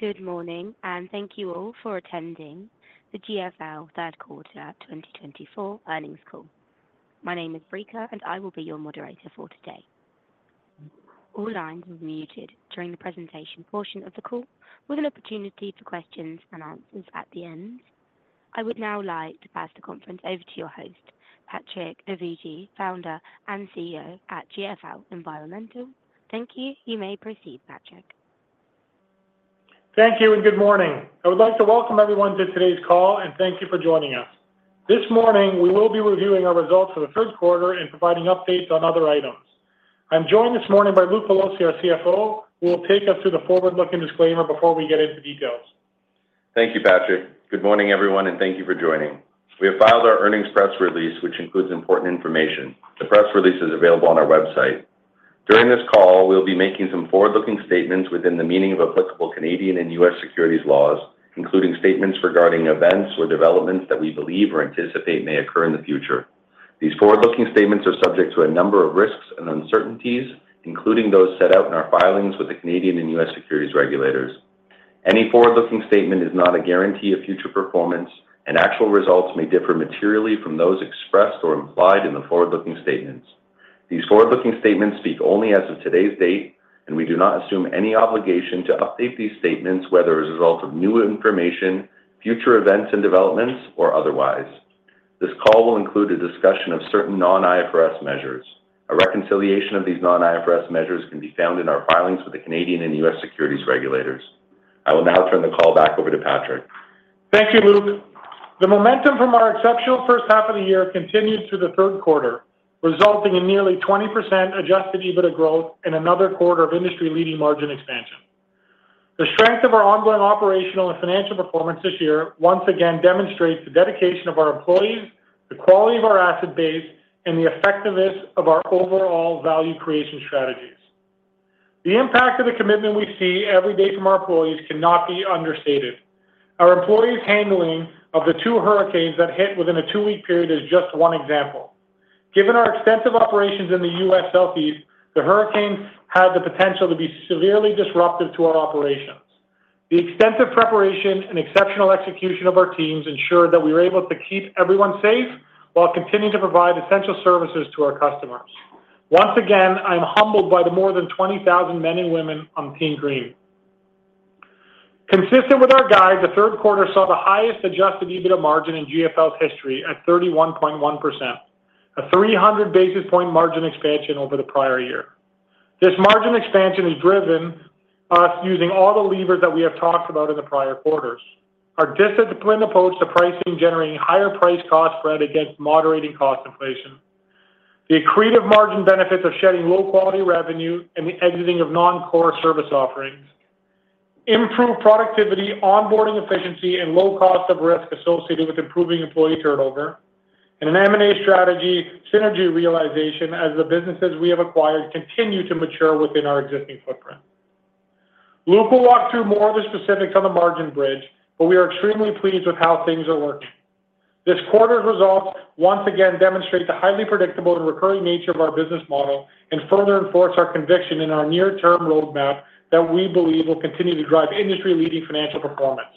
Good morning, and thank you all for attending the GFL Third Quarter 2024 earnings call. My name is uncertain, and I will be your moderator for today. All lines will be muted during the presentation portion of the call, with an opportunity for questions and answers at the end. I would now like to pass the conference over to your host, Patrick Dovigi, Founder and CEO at GFL Environmental. Thank you. You may proceed, Patrick. Thank you, and good morning. I would like to welcome everyone to today's call, and thank you for joining us. This morning, we will be reviewing our results for the third quarter and providing updates on other items. I'm joined this morning by Luke Pelosi, our CFO, who will take us through the forward-looking disclaimer before we get into details. Thank you, Patrick. Good morning, everyone, and thank you for joining. We have filed our earnings press release, which includes important information. The press release is available on our website. During this call, we'll be making some forward-looking statements within the meaning of applicable Canadian and U.S. securities laws, including statements regarding events or developments that we believe or anticipate may occur in the future. These forward-looking statements are subject to a number of risks and uncertainties, including those set out in our filings with the Canadian and U.S. securities regulators. Any forward-looking statement is not a guarantee of future performance, and actual results may differ materially from those expressed or implied in the forward-looking statements. These forward-looking statements speak only as of today's date, and we do not assume any obligation to update these statements whether as a result of new information, future events and developments, or otherwise. This call will include a discussion of certain non-IFRS measures. A reconciliation of these non-IFRS measures can be found in our filings with the Canadian and U.S. securities regulators. I will now turn the call back over to Patrick. Thank you, Luke. The momentum from our exceptional first half of the year continued through the third quarter, resulting in nearly 20% adjusted EBITDA growth and another quarter of industry-leading margin expansion. The strength of our ongoing operational and financial performance this year once again demonstrates the dedication of our employees, the quality of our asset base, and the effectiveness of our overall value creation strategies. The impact of the commitment we see every day from our employees cannot be understated. Our employees' handling of the two hurricanes that hit within a two-week period is just one example. Given our extensive operations in the U.S. Southeast, the hurricanes had the potential to be severely disruptive to our operations. The extensive preparation and exceptional execution of our teams ensured that we were able to keep everyone safe while continuing to provide essential services to our customers. Once again, I am humbled by the more than 20,000 men and women on Team Green. Consistent with our guide, the third quarter saw the highest adjusted EBITDA margin in GFL's history at 31.1%, a 300 basis points margin expansion over the prior year. This margin expansion is driven us using all the levers that we have talked about in the prior quarters: our disciplined approach to pricing, generating higher price-cost spread against moderating cost inflation, the accretive margin benefits of shedding low-quality revenue and the exiting of non-core service offerings, improved productivity, onboarding efficiency, and low cost of risk associated with improving employee turnover, and an M&A strategy synergy realization as the businesses we have acquired continue to mature within our existing footprint. Luke will walk through more of the specifics on the margin bridge, but we are extremely pleased with how things are working. This quarter's results once again demonstrate the highly predictable and recurring nature of our business model and further enforce our conviction in our near-term roadmap that we believe will continue to drive industry-leading financial performance.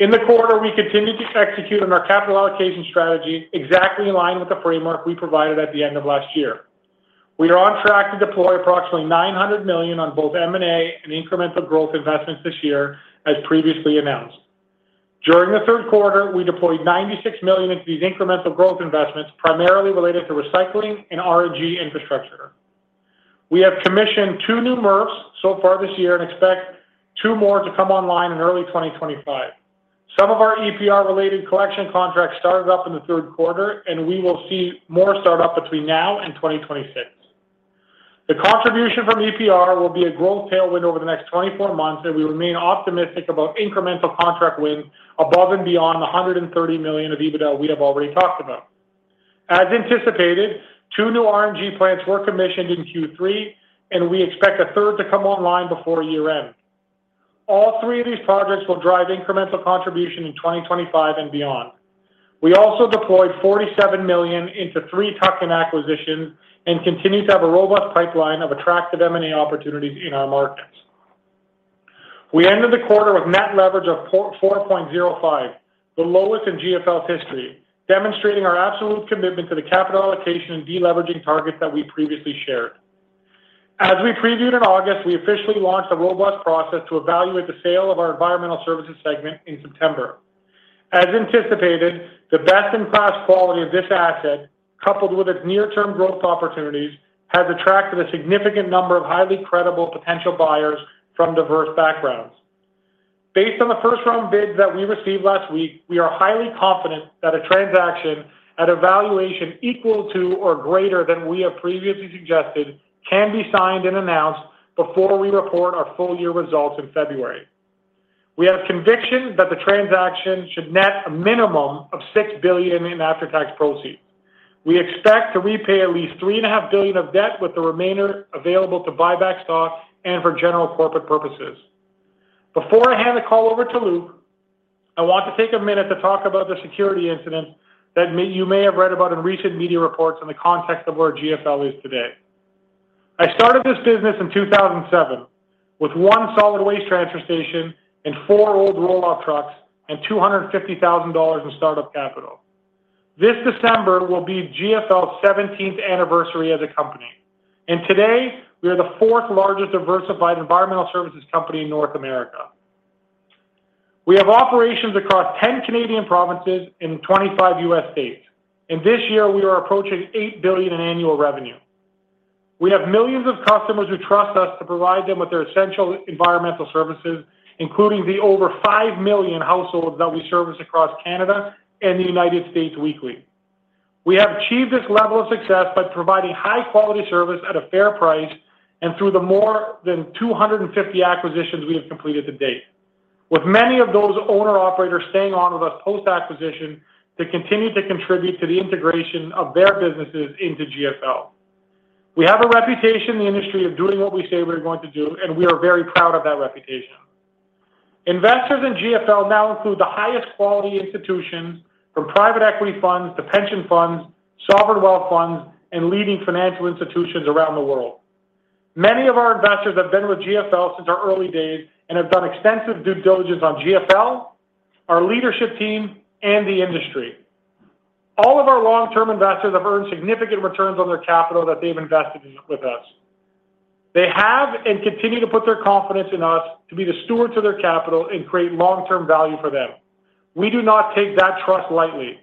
In the quarter, we continue to execute on our capital allocation strategy exactly in line with the framework we provided at the end of last year. We are on track to deploy approximately $900 million on both M&A and incremental growth investments this year, as previously announced. During the third quarter, we deployed $96 million into these incremental growth investments, primarily related to recycling and RNG infrastructure. We have commissioned two new MRFs so far this year and expect two more to come online in early 2025. Some of our EPR-related collection contracts started up in the third quarter, and we will see more start-up between now and 2026. The contribution from EPR will be a growth tailwind over the next 24 months, and we remain optimistic about incremental contract wins above and beyond the $130 million of EBITDA we have already talked about. As anticipated, two new RNG plants were commissioned in Q3, and we expect a third to come online before year-end. All three of these projects will drive incremental contribution in 2025 and beyond. We also deployed $47 million into three tuck-in acquisitions and continue to have a robust pipeline of attractive M&A opportunities in our markets. We ended the quarter with net leverage of 4.05, the lowest in GFL's history, demonstrating our absolute commitment to the capital allocation and deleveraging targets that we previously shared. As we previewed in August, we officially launched a robust process to evaluate the sale of our Environmental Services segment in September. As anticipated, the best-in-class quality of this asset, coupled with its near-term growth opportunities, has attracted a significant number of highly credible potential buyers from diverse backgrounds. Based on the first-round bids that we received last week, we are highly confident that a transaction at a valuation equal to or greater than we have previously suggested can be signed and announced before we report our full-year results in February. We have conviction that the transaction should net a minimum of $6 billion in after-tax proceeds. We expect to repay at least $3.5 billion of debt, with the remainder available to buyback stock and for general corporate purposes. Before I hand the call over to Luke, I want to take a minute to talk about the security incident that you may have read about in recent media reports in the context of where GFL is today. I started this business in 2007 with one solid waste transfer station and four old rollout trucks and $250,000 in start-up capital. This December will be GFL's 17th anniversary as a company, and today we are the fourth-largest diversified environmental services company in North America. We have operations across 10 Canadian provinces and 25 U.S. states, and this year we are approaching $8 billion in annual revenue. We have millions of customers who trust us to provide them with their essential environmental services, including the over five million households that we service across Canada and the United States weekly. We have achieved this level of success by providing high-quality service at a fair price and through the more than 250 acquisitions we have completed to date, with many of those owner-operators staying on with us post-acquisition to continue to contribute to the integration of their businesses into GFL. We have a reputation in the industry of doing what we say we're going to do, and we are very proud of that reputation. Investors in GFL now include the highest-quality institutions, from private equity funds to pension funds, sovereign wealth funds, and leading financial institutions around the world. Many of our investors have been with GFL since our early days and have done extensive due diligence on GFL, our leadership team, and the industry. All of our long-term investors have earned significant returns on their capital that they've invested with us. They have and continue to put their confidence in us to be the stewards of their capital and create long-term value for them. We do not take that trust lightly.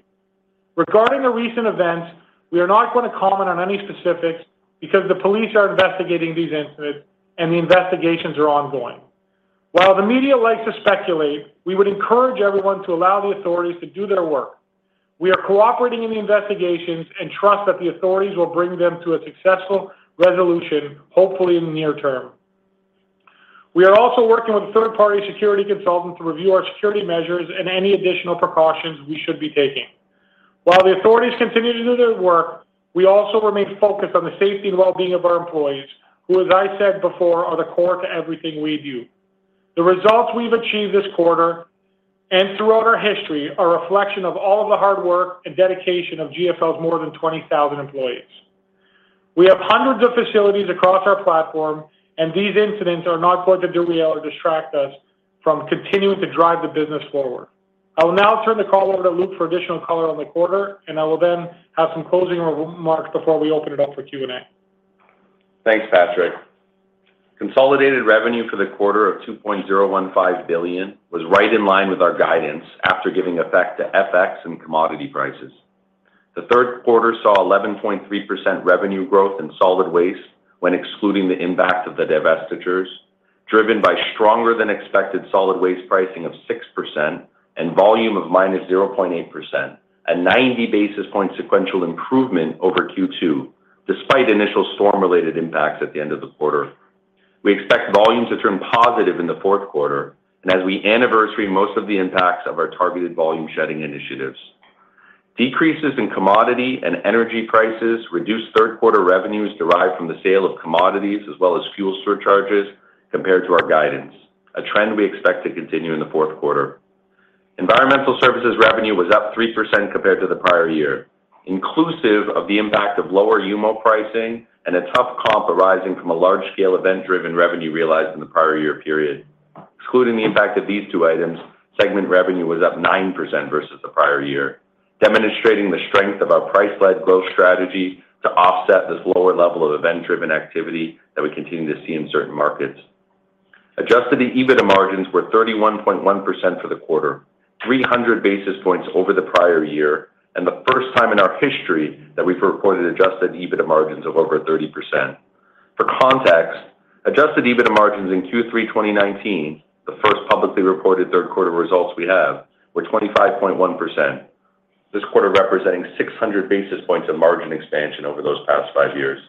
Regarding the recent events, we are not going to comment on any specifics because the police are investigating these incidents, and the investigations are ongoing. While the media likes to speculate, we would encourage everyone to allow the authorities to do their work. We are cooperating in the investigations and trust that the authorities will bring them to a successful resolution, hopefully in the near term. We are also working with a third-party security consultant to review our security measures and any additional precautions we should be taking. While the authorities continue to do their work, we also remain focused on the safety and well-being of our employees, who, as I said before, are the core to everything we do. The results we've achieved this quarter and throughout our history are a reflection of all of the hard work and dedication of GFL's more than 20,000 employees. We have hundreds of facilities across our platform, and these incidents are not going to derail or distract us from continuing to drive the business forward. I will now turn the call over to Luke for additional color on the quarter, and I will then have some closing remarks before we open it up for Q&A. Thanks, Patrick. Consolidated revenue for the quarter of $2.015 billion was right in line with our guidance after giving effect to FX and commodity prices. The third quarter saw 11.3% revenue growth in solid waste when excluding the impact of the divestitures, driven by stronger-than-expected solid waste pricing of 6% and volume of minus 0.8%, a 90 basis point sequential improvement over Q2, despite initial storm-related impacts at the end of the quarter. We expect volume to turn positive in the fourth quarter, and as we anniversary most of the impacts of our targeted volume shedding initiatives. Decreases in commodity and energy prices reduced third-quarter revenues derived from the sale of commodities as well as fuel surcharges compared to our guidance, a trend we expect to continue in the fourth quarter. Environmental services revenue was up 3% compared to the prior year, inclusive of the impact of lower UMO pricing and a tough comp arising from a large-scale event-driven revenue realized in the prior year period. Excluding the impact of these two items, segment revenue was up 9% versus the prior year, demonstrating the strength of our price-led growth strategy to offset this lower level of event-driven activity that we continue to see in certain markets. Adjusted EBITDA margins were 31.1% for the quarter, 300 basis points over the prior year, and the first time in our history that we've reported adjusted EBITDA margins of over 30%. For context, adjusted EBITDA margins in Q3 2019, the first publicly reported third-quarter results we have, were 25.1%, this quarter representing 600 basis points of margin expansion over those past five years.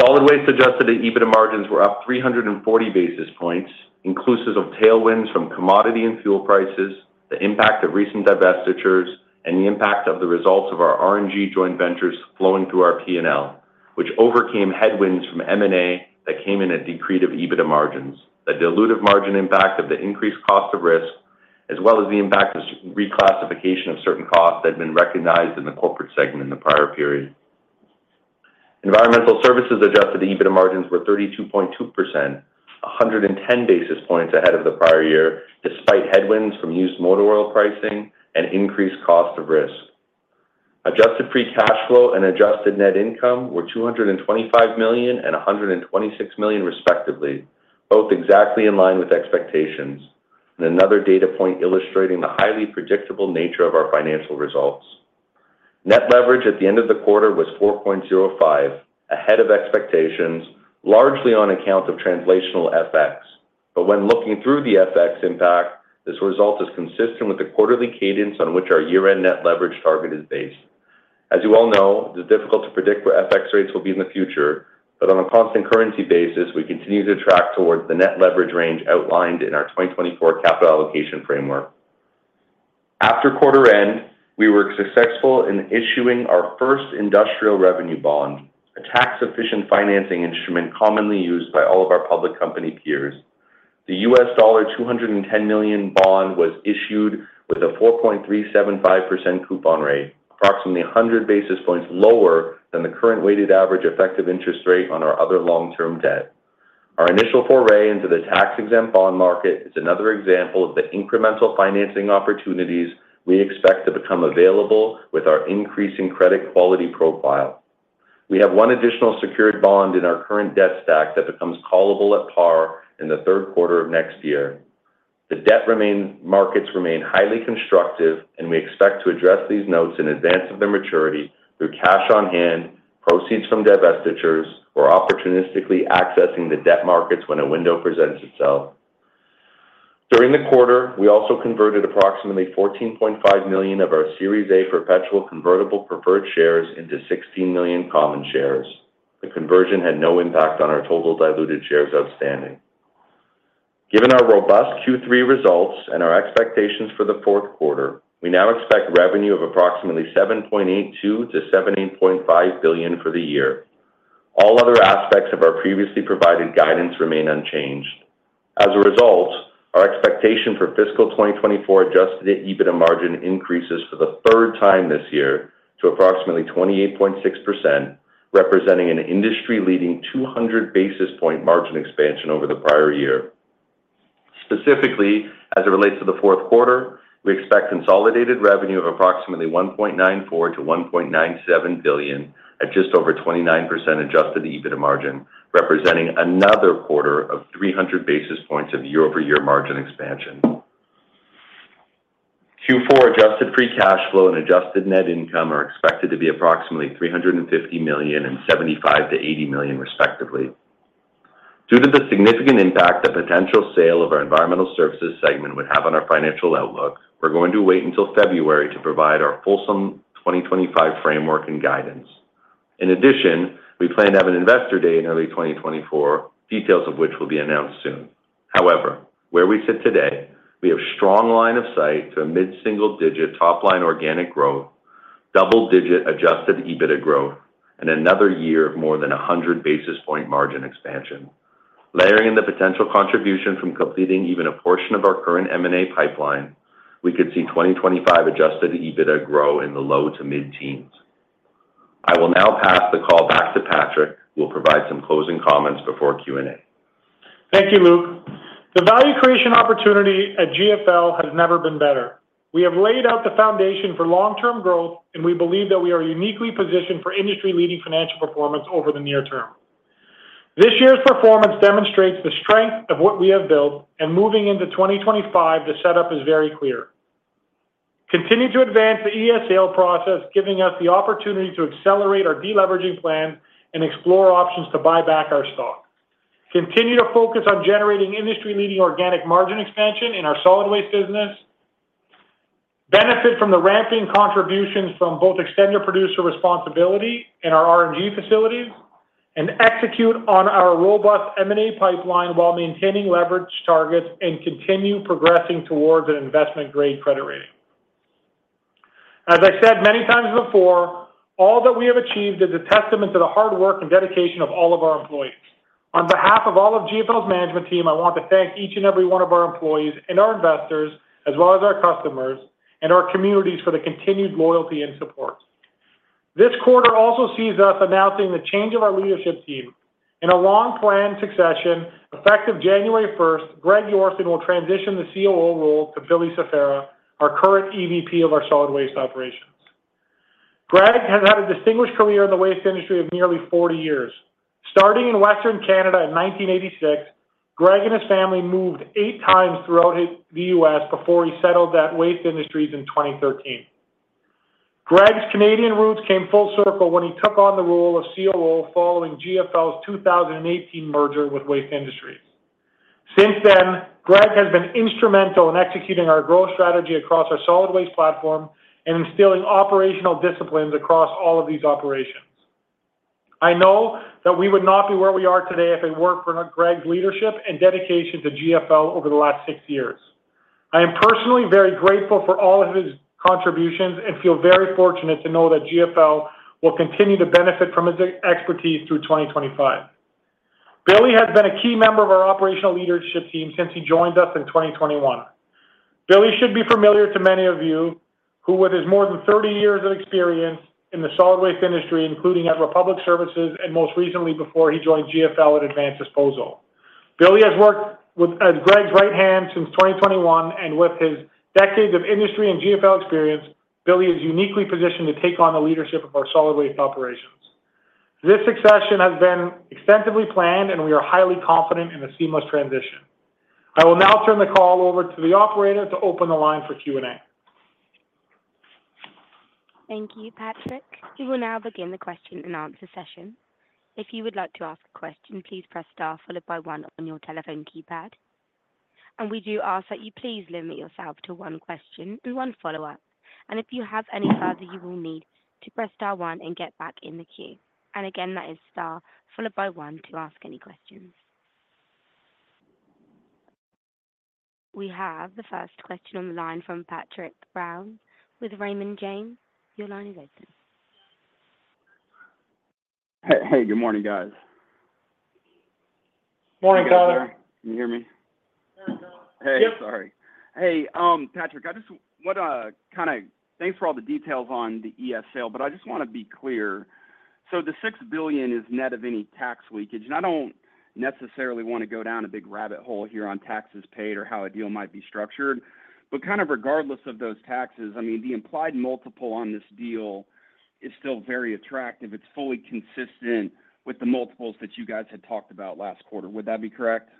Solid Waste Adjusted EBITDA margins were up 340 basis points, inclusive of tailwinds from commodity and fuel prices, the impact of recent divestitures, and the impact of the results of our RNG joint ventures flowing through our P&L, which overcame headwinds from M&A that came in at uncertain of EBITDA margins, the dilutive margin impact of the increased cost of risk, as well as the impact of reclassification of certain costs that had been recognized in the corporate segment in the prior period. Environmental Services Adjusted EBITDA margins were 32.2%, 110 basis points ahead of the prior year, despite headwinds from used motor oil pricing and increased cost of risk. Adjusted Free Cash Flow and Adjusted Net Income were $225 million and $126 million, respectively, both exactly in line with expectations, and another data point illustrating the highly predictable nature of our financial results. Net leverage at the end of the quarter was 4.05, ahead of expectations, largely on account of translational FX, but when looking through the FX impact, this result is consistent with the quarterly cadence on which our year-end net leverage target is based. As you all know, it is difficult to predict where FX rates will be in the future, but on a constant currency basis, we continue to track towards the net leverage range outlined in our 2024 capital allocation framework. After quarter-end, we were successful in issuing our first industrial revenue bond, a tax-efficient financing instrument commonly used by all of our public company peers. The $210 million bond was issued with a 4.375% coupon rate, approximately 100 basis points lower than the current weighted average effective interest rate on our other long-term debt. Our initial foray into the tax-exempt bond market is another example of the incremental financing opportunities we expect to become available with our increasing credit quality profile. We have one additional secured bond in our current debt stack that becomes callable at par in the third quarter of next year. The debt markets remain highly constructive, and we expect to address these notes in advance of their maturity through cash on hand, proceeds from divestitures, or opportunistically accessing the debt markets when a window presents itself. During the quarter, we also converted approximately $14.5 million of our Series A Perpetual Convertible Preferred Shares into $16 million common shares. The conversion had no impact on our total diluted shares outstanding. Given our robust Q3 results and our expectations for the fourth quarter, we now expect revenue of approximately $7.82-$78.5 billion for the year. All other aspects of our previously provided guidance remain unchanged. As a result, our expectation for fiscal 2024 Adjusted EBITDA margin increases for the third time this year to approximately 28.6%, representing an industry-leading 200 basis point margin expansion over the prior year. Specifically, as it relates to the fourth quarter, we expect consolidated revenue of approximately $1.94-$1.97 billion at just over 29% Adjusted EBITDA margin, representing another quarter of 300 basis points of year-over-year margin expansion. Q4 Adjusted Free Cash Flow and Adjusted Net Income are expected to be approximately $350 million and $75-$80 million, respectively. Due to the significant impact that potential sale of our Environmental Services segment would have on our financial outlook, we're going to wait until February to provide our Fiscal 2025 framework and guidance. In addition, we plan to have an investor day in early 2024, details of which will be announced soon. However, where we sit today, we have a strong line of sight to a mid-single-digit top-line organic growth, double-digit adjusted EBITDA growth, and another year of more than 100 basis points margin expansion. Layering in the potential contribution from completing even a portion of our current M&A pipeline, we could see 2025 adjusted EBITDA grow in the low to mid-teens. I will now pass the call back to Patrick, who will provide some closing comments before Q&A. Thank you, Luke. The value creation opportunity at GFL has never been better. We have laid out the foundation for long-term growth, and we believe that we are uniquely positioned for industry-leading financial performance over the near term. This year's performance demonstrates the strength of what we have built, and moving into 2025, the setup is very clear. Continue to advance the ES sale process, giving us the opportunity to accelerate our deleveraging plan and explore options to buy back our stock. Continue to focus on generating industry-leading organic margin expansion in our solid waste business, benefit from the ramping contributions from both extended producer responsibility and our RNG facilities, and execute on our robust M&A pipeline while maintaining leverage targets and continue progressing towards an investment-grade credit rating. As I said many times before, all that we have achieved is a testament to the hard work and dedication of all of our employees. On behalf of all of GFL's management team, I want to thank each and every one of our employees and our investors, as well as our customers and our communities, for the continued loyalty and support. This quarter also sees us announcing the change of our leadership team. In a long-planned succession, effective January 1st, Greg Yorston will transition the COO role to Billy Schaeffer, our current EVP of our solid waste operations. Greg has had a distinguished career in the waste industry of nearly 40 years. Starting in Western Canada in 1986, Greg and his family moved eight times throughout the U.S. before he settled at Waste Industries in 2013. Greg's Canadian roots came full circle when he took on the role of COO following GFL's 2018 merger with Waste Industries. Since then, Greg has been instrumental in executing our growth strategy across our solid waste platform and instilling operational disciplines across all of these operations. I know that we would not be where we are today if it weren't for Greg's leadership and dedication to GFL over the last six years. I am personally very grateful for all of his contributions and feel very fortunate to know that GFL will continue to benefit from his expertise through 2025. Billy has been a key member of our operational leadership team since he joined us in 2021. Billy should be familiar to many of you who, with his more than 30 years of experience in the solid waste industry, including at Republic Services and most recently before he joined GFL at Advanced Disposal. Billy has worked as Greg's right hand since 2021, and with his decades of industry and GFL experience, Billy is uniquely positioned to take on the leadership of our solid waste operations. This succession has been extensively planned, and we are highly confident in a seamless transition. I will now turn the call over to the operator to open the line for Q&A. Thank you, Patrick. We will now begin the question and answer session. If you would like to ask a question, please press star followed by one on your telephone keypad. And we do ask that you please limit yourself to one question and one follow-up. And if you have any further you will need to press star one and get back in the queue. And again, that is star followed by one to ask any questions. We have the first question on the line from Tyler Brown with Raymond James. Your line is open. Hey, good morning, guys. Morning, Tyler. Can you hear me? Hey, sorry. Hey, Patrick, I just want to kind of, thanks for all the details on the ES sale, but I just want to be clear. So the 6 billion is net of any tax leakage, and I don't necessarily want to go down a big rabbit hole here on taxes paid or how a deal might be structured. But kind of regardless of those taxes, I mean, the implied multiple on this deal is still very attractive. It's fully consistent with the multiples that you guys had talked about last quarter. Would that be correct?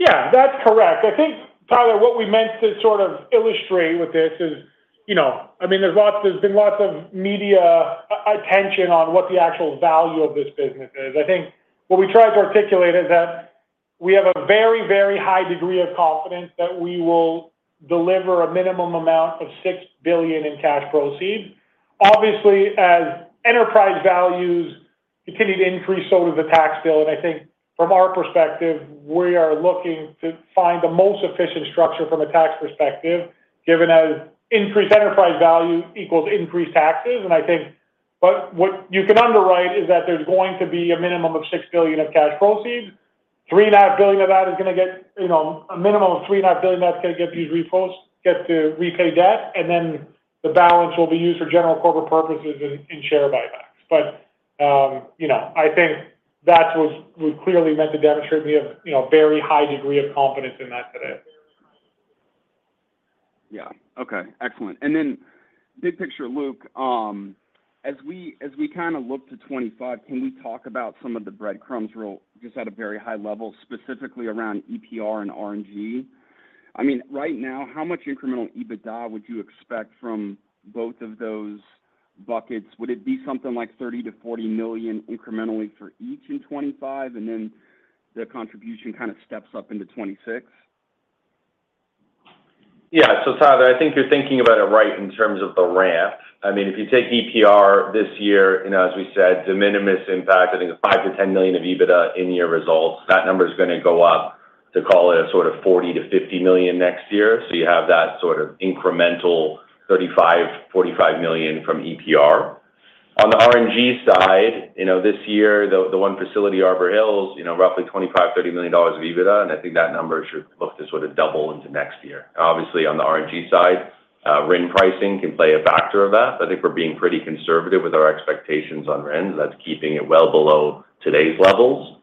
Yeah, that's correct. I think, Tyler, what we meant to sort of illustrate with this is, I mean, there's been lots of media attention on what the actual value of this business is. I think what we tried to articulate is that we have a very, very high degree of confidence that we will deliver a minimum amount of 6 billion in cash proceeds. Obviously, as enterprise values continue to increase so does the tax bill. And I think from our perspective, we are looking to find the most efficient structure from a tax perspective, given as increased enterprise value equals increased taxes. And I think what you can underwrite is that there's going to be a minimum of 6 billion of cash proceeds. 3.5 billion of that is going to get a minimum of 3.5 billion that's going to get these proceeds to repay debt, and then the balance will be used for general corporate purposes and share buybacks. But I think that's what we clearly meant to demonstrate. We have a very high degree of confidence in that today. Yeah. Okay. Excellent. And then big picture, Luke, as we kind of look to 2025, can we talk about some of the breadcrumbs just at a very high level, specifically around EPR and RNG? I mean, right now, how much incremental EBITDA would you expect from both of those buckets? Would it be something like 30-40 million incrementally for each in 2025, and then the contribution kind of steps up into 2026? Yeah. So, Tyler, I think you're thinking about it right in terms of the ramp. I mean, if you take EPR this year, as we said, the minimal impact, I think, is $5-10 million of EBITDA in year results. That number is going to go up to call it a sort of $40-50 million next year. So you have that sort of incremental $35-45 million from EPR. On the RNG side, this year, the one facility, Arbor Hills, roughly $25-30 million of EBITDA, and I think that number should look to sort of double into next year. Obviously, on the RNG side, RIN pricing can play a factor of that, but I think we're being pretty conservative with our expectations on RIN. That's keeping it well below today's levels.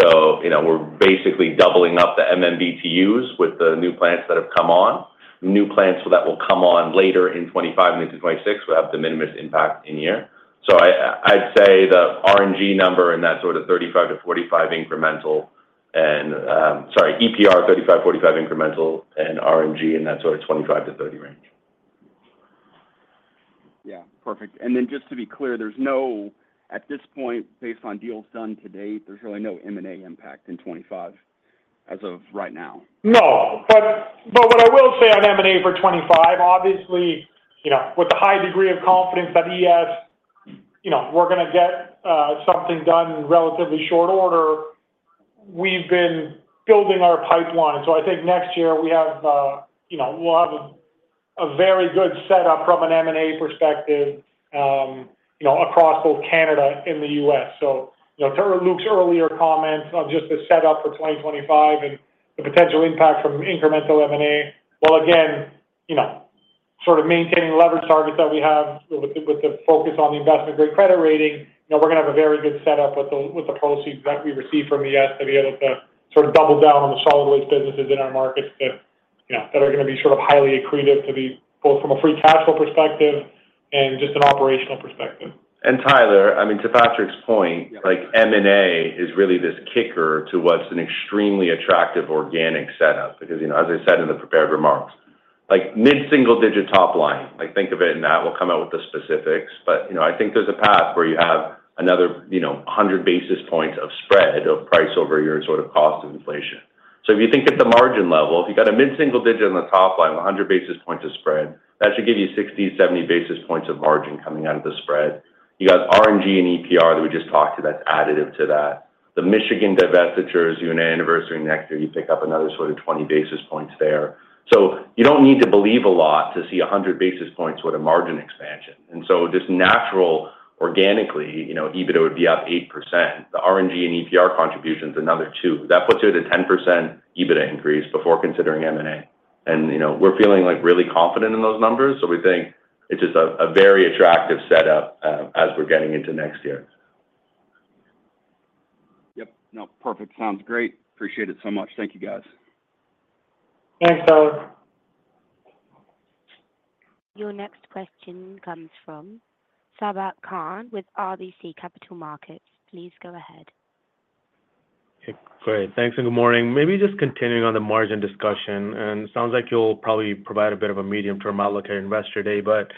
So we're basically doubling up the MMBtus with the new plants that have come on. New plants that will come on later in 2025 and into 2026 will have the minimal impact in year. So I'd say the RNG number and that sort of 35 to 45 incremental and, sorry, EPR 35 to 45 incremental and RNG in that sort of 25 to 30 range. Yeah. Perfect. And then just to be clear, there's no, at this point, based on deals done to date, there's really no M&A impact in 2025 as of right now. No. But what I will say on M&A for 2025, obviously, with the high degree of confidence that ES, we're going to get something done in relatively short order, we've been building our pipeline. So I think next year we have a very good setup from an M&A perspective across both Canada and the U.S. So to Luke's earlier comments on just the setup for 2025 and the potential impact from incremental M&A, well, again, sort of maintaining leverage targets that we have with the focus on the investment-grade credit rating, we're going to have a very good setup with the proceeds that we receive from ES to be able to sort of double down on the solid waste businesses in our markets that are going to be sort of highly accretive to be both from a free cash flow perspective and just an operational perspective. Tyler, I mean, to Patrick's point, M&A is really this kicker to what's an extremely attractive organic setup because, as I said in the prepared remarks, mid-single-digit top line. Think of it and that will come out with the specifics. But I think there's a path where you have another 100 basis points of spread of price over your sort of cost of inflation. So if you think at the margin level, if you've got a mid-single digit on the top line, 100 basis points of spread, that should give you 60, 70 basis points of margin coming out of the spread. You got RNG and EPR that we just talked to that's additive to that. The Michigan divestiture's unanniversary next year, you pick up another sort of 20 basis points there. So you don't need to believe a lot to see 100 basis points with a margin expansion. And so just natural, organically, EBITDA would be up 8%. The RNG and EPR contributions, another 2%. That puts you at a 10% EBITDA increase before considering M&A. And we're feeling really confident in those numbers, so we think it's just a very attractive setup as we're getting into next year. Yep. No, perfect. Sounds great. Appreciate it so much. Thank you, guys. Thanks, Tyler. Your next question comes from Sabahat Khan with RBC Capital Markets. Please go ahead. Okay. Great. Thanks and good morning. Maybe just continuing on the margin discussion, and it sounds like you'll probably provide a bit of a medium-term outlook at Investor Day, but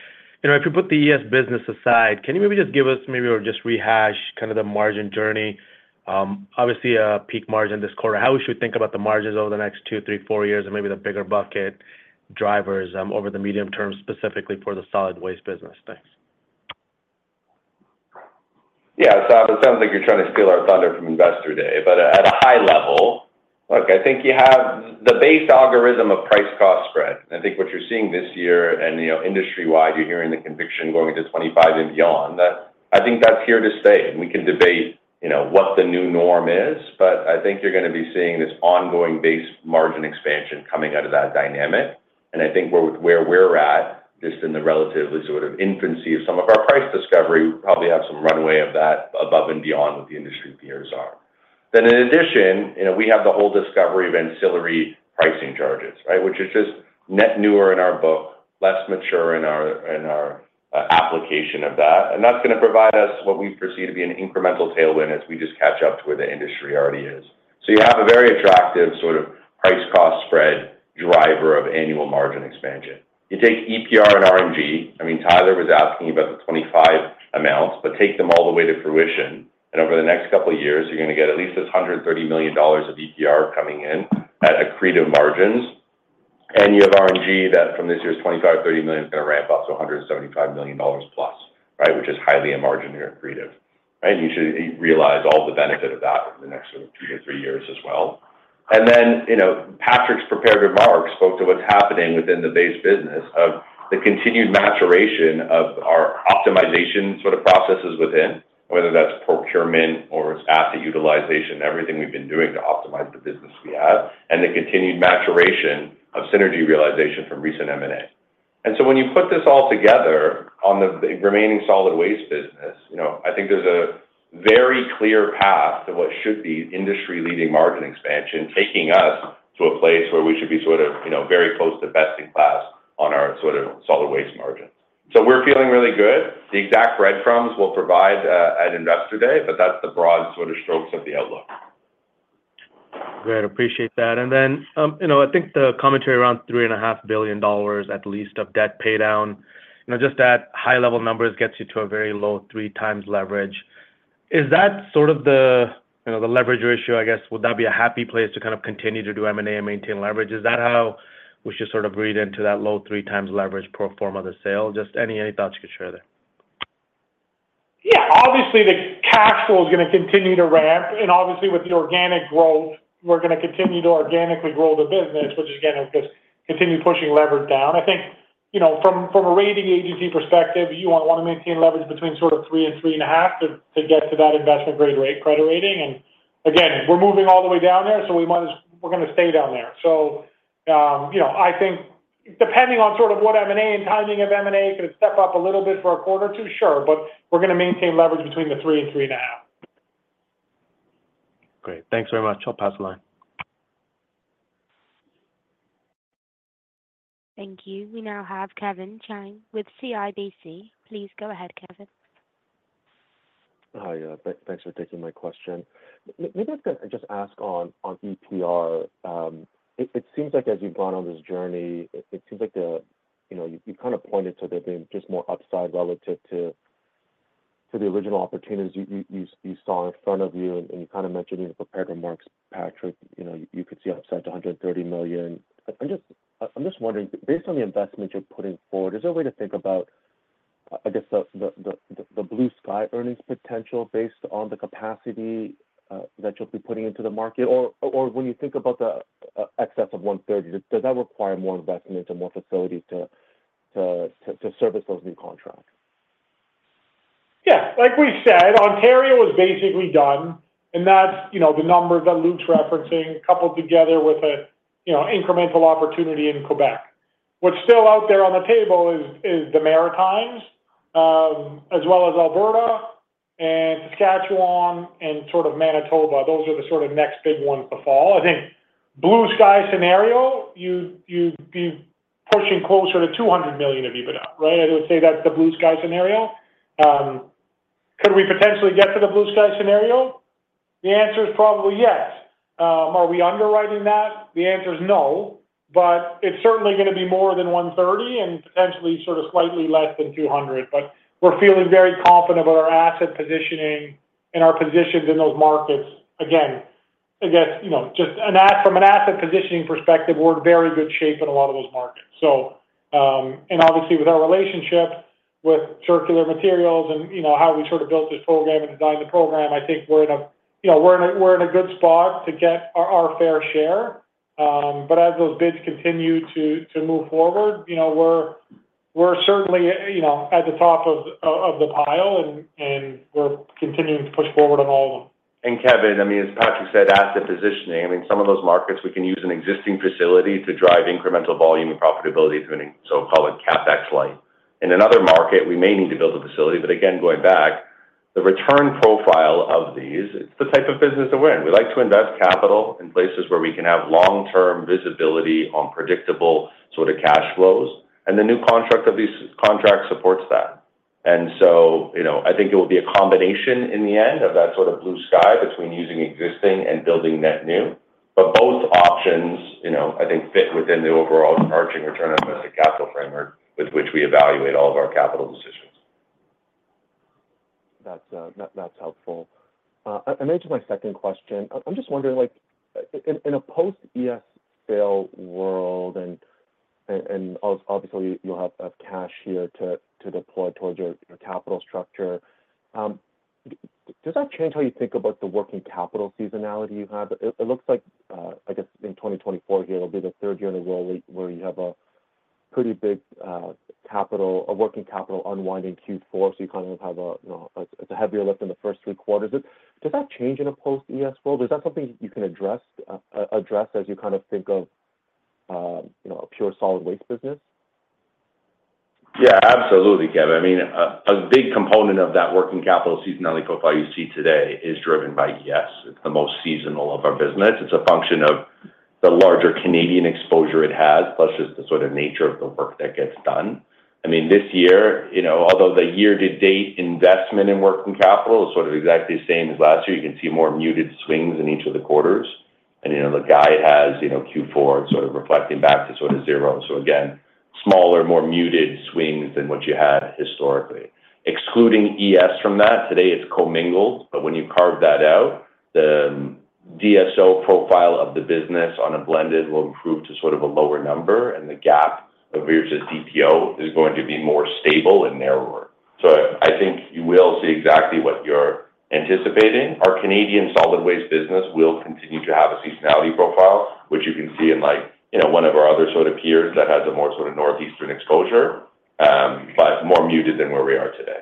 if you put the ES business aside, can you maybe just give us maybe or just rehash kind of the margin journey? Obviously, a peak margin this quarter, how we should think about the margins over the next two, three, four years, and maybe the bigger bucket drivers over the medium term specifically for the solid waste business. Thanks. Yeah, so it sounds like you're trying to steal our thunder from investor day, but at a high level, look, I think you have the base algorithm of price-cost spread. I think what you're seeing this year and industry-wide, you're hearing the conviction going into 2025 and beyond. I think that's here to stay. We can debate what the new norm is, but I think you're going to be seeing this ongoing base margin expansion coming out of that dynamic, and I think where we're at, just in the relatively sort of infancy of some of our price discovery, we probably have some runway of that above and beyond what the industry peers are, then in addition, we have the whole discovery of ancillary pricing charges, right, which is just net newer in our book, less mature in our application of that. And that's going to provide us what we perceive to be an incremental tailwind as we just catch up to where the industry already is. So you have a very attractive sort of price-cost spread driver of annual margin expansion. You take EPR and RNG. I mean, Tyler was asking you about the 2025 amounts, but take them all the way to fruition, and over the next couple of years, you're going to get at least $130 million of EPR coming in at accretive margins. And you have RNG that from this year's $25-$30 million is going to ramp up to $175 million plus, right, which is highly accretive. And you should realize all the benefit of that in the next sort of two to three years as well. And then Patrick's prepared remark spoke to what's happening within the base business of the continued maturation of our optimization sort of processes within, whether that's procurement or it's asset utilization, everything we've been doing to optimize the business we have, and the continued maturation of synergy realization from recent M&A. And so when you put this all together on the remaining solid waste business, I think there's a very clear path to what should be industry-leading margin expansion, taking us to a place where we should be sort of very close to best in class on our sort of solid waste margins. So we're feeling really good. The exact breadcrumbs we'll provide at investor day, but that's the broad sort of strokes of the outlook. Great. Appreciate that. And then I think the commentary around $3.5 billion at least of debt paydown, just that high-level numbers gets you to a very low three times leverage. Is that sort of the leverage ratio, I guess? Would that be a happy place to kind of continue to do M&A and maintain leverage? Is that how we should sort of read into that low three times leverage per form of the sale? Just any thoughts you could share there? Yeah. Obviously, the cash flow is going to continue to ramp, and obviously, with the organic growth, we're going to continue to organically grow the business, which is going to just continue pushing leverage down. I think from a rating agency perspective, you want to maintain leverage between sort of three and three and a half to get to that investment-grade credit rating, and again, we're moving all the way down there, so we're going to stay down there, so I think depending on sort of what M&A and timing of M&A could step up a little bit for a quarter or two, sure, but we're going to maintain leverage between the three and three and a half. Great. Thanks very much. I'll pass the line. Thank you. We now have Kevin Chiang with CIBC. Please go ahead, Kevin. Hi, thanks for taking my question. Maybe I'm going to just ask on EPR. It seems like as you've gone on this journey, it seems like you've kind of pointed to there being just more upside relative to the original opportunities you saw in front of you. And you kind of mentioned in the prepared remarks, Patrick, you could see upside to 130 million. I'm just wondering, based on the investment you're putting forward, is there a way to think about, I guess, the blue sky earnings potential based on the capacity that you'll be putting into the market? Or when you think about the excess of 130, does that require more investment and more facilities to service those new contracts? Yeah. Like we said, Ontario is basically done, and that's the number that Luke's referencing, coupled together with an incremental opportunity in Quebec. What's still out there on the table is the Maritimes, as well as Alberta and Saskatchewan and sort of Manitoba. Those are the sort of next big ones to fall. I think blue sky scenario, you'd be pushing closer to 200 million of EBITDA, right? I would say that's the blue sky scenario. Could we potentially get to the blue sky scenario? The answer is probably yes. Are we underwriting that? The answer is no, but it's certainly going to be more than 130 million and potentially sort of slightly less than 200 million. But we're feeling very confident about our asset positioning and our positions in those markets. Again, I guess just from an asset positioning perspective, we're in very good shape in a lot of those markets. And obviously, with our relationship with Circular Materials and how we sort of built this program and designed the program, I think we're in a good spot to get our fair share. But as those bids continue to move forward, we're certainly at the top of the pile, and we're continuing to push forward on all of them. And Kevin, I mean, as Patrick said, asset positioning. I mean, some of those markets, we can use an existing facility to drive incremental volume and profitability, so-called CapEx light. In another market, we may need to build a facility. But again, going back, the return profile of these, it's the type of business to win. We like to invest capital in places where we can have long-term visibility on predictable sort of cash flows, and the new contract of these contracts supports that. And so I think it will be a combination in the end of that sort of blue sky between using existing and building net new. But both options, I think, fit within the overall target return on invested capital framework with which we evaluate all of our capital decisions. That's helpful. I mentioned my second question. I'm just wondering, in a post-ES sale world, and obviously, you'll have cash here to deploy towards your capital structure, does that change how you think about the working capital seasonality you have? It looks like, I guess, in 2024 here, it'll be the third year in a row where you have a pretty big working capital unwinding Q4, so you kind of have, it's a heavier lift in the first three quarters. Does that change in a post-ES world? Is that something you can address as you kind of think of a pure solid waste business? Yeah, absolutely, Kevin. I mean, a big component of that working capital seasonality profile you see today is driven by ES. It's the most seasonal of our business. It's a function of the larger Canadian exposure it has, plus just the sort of nature of the work that gets done. I mean, this year, although the year-to-date investment in working capital is sort of exactly the same as last year, you can see more muted swings in each of the quarters, and the guide has Q4 sort of reflecting back to sort of zero. So again, smaller, more muted swings than what you had historically. Excluding ES from that, today it's commingled, but when you carve that out, the DSO profile of the business on a blended will improve to sort of a lower number, and the gap of your DPO is going to be more stable and narrower. So I think you will see exactly what you're anticipating. Our Canadian solid waste business will continue to have a seasonality profile, which you can see in one of our other sort of peers that has a more sort of northeastern exposure, but more muted than where we are today.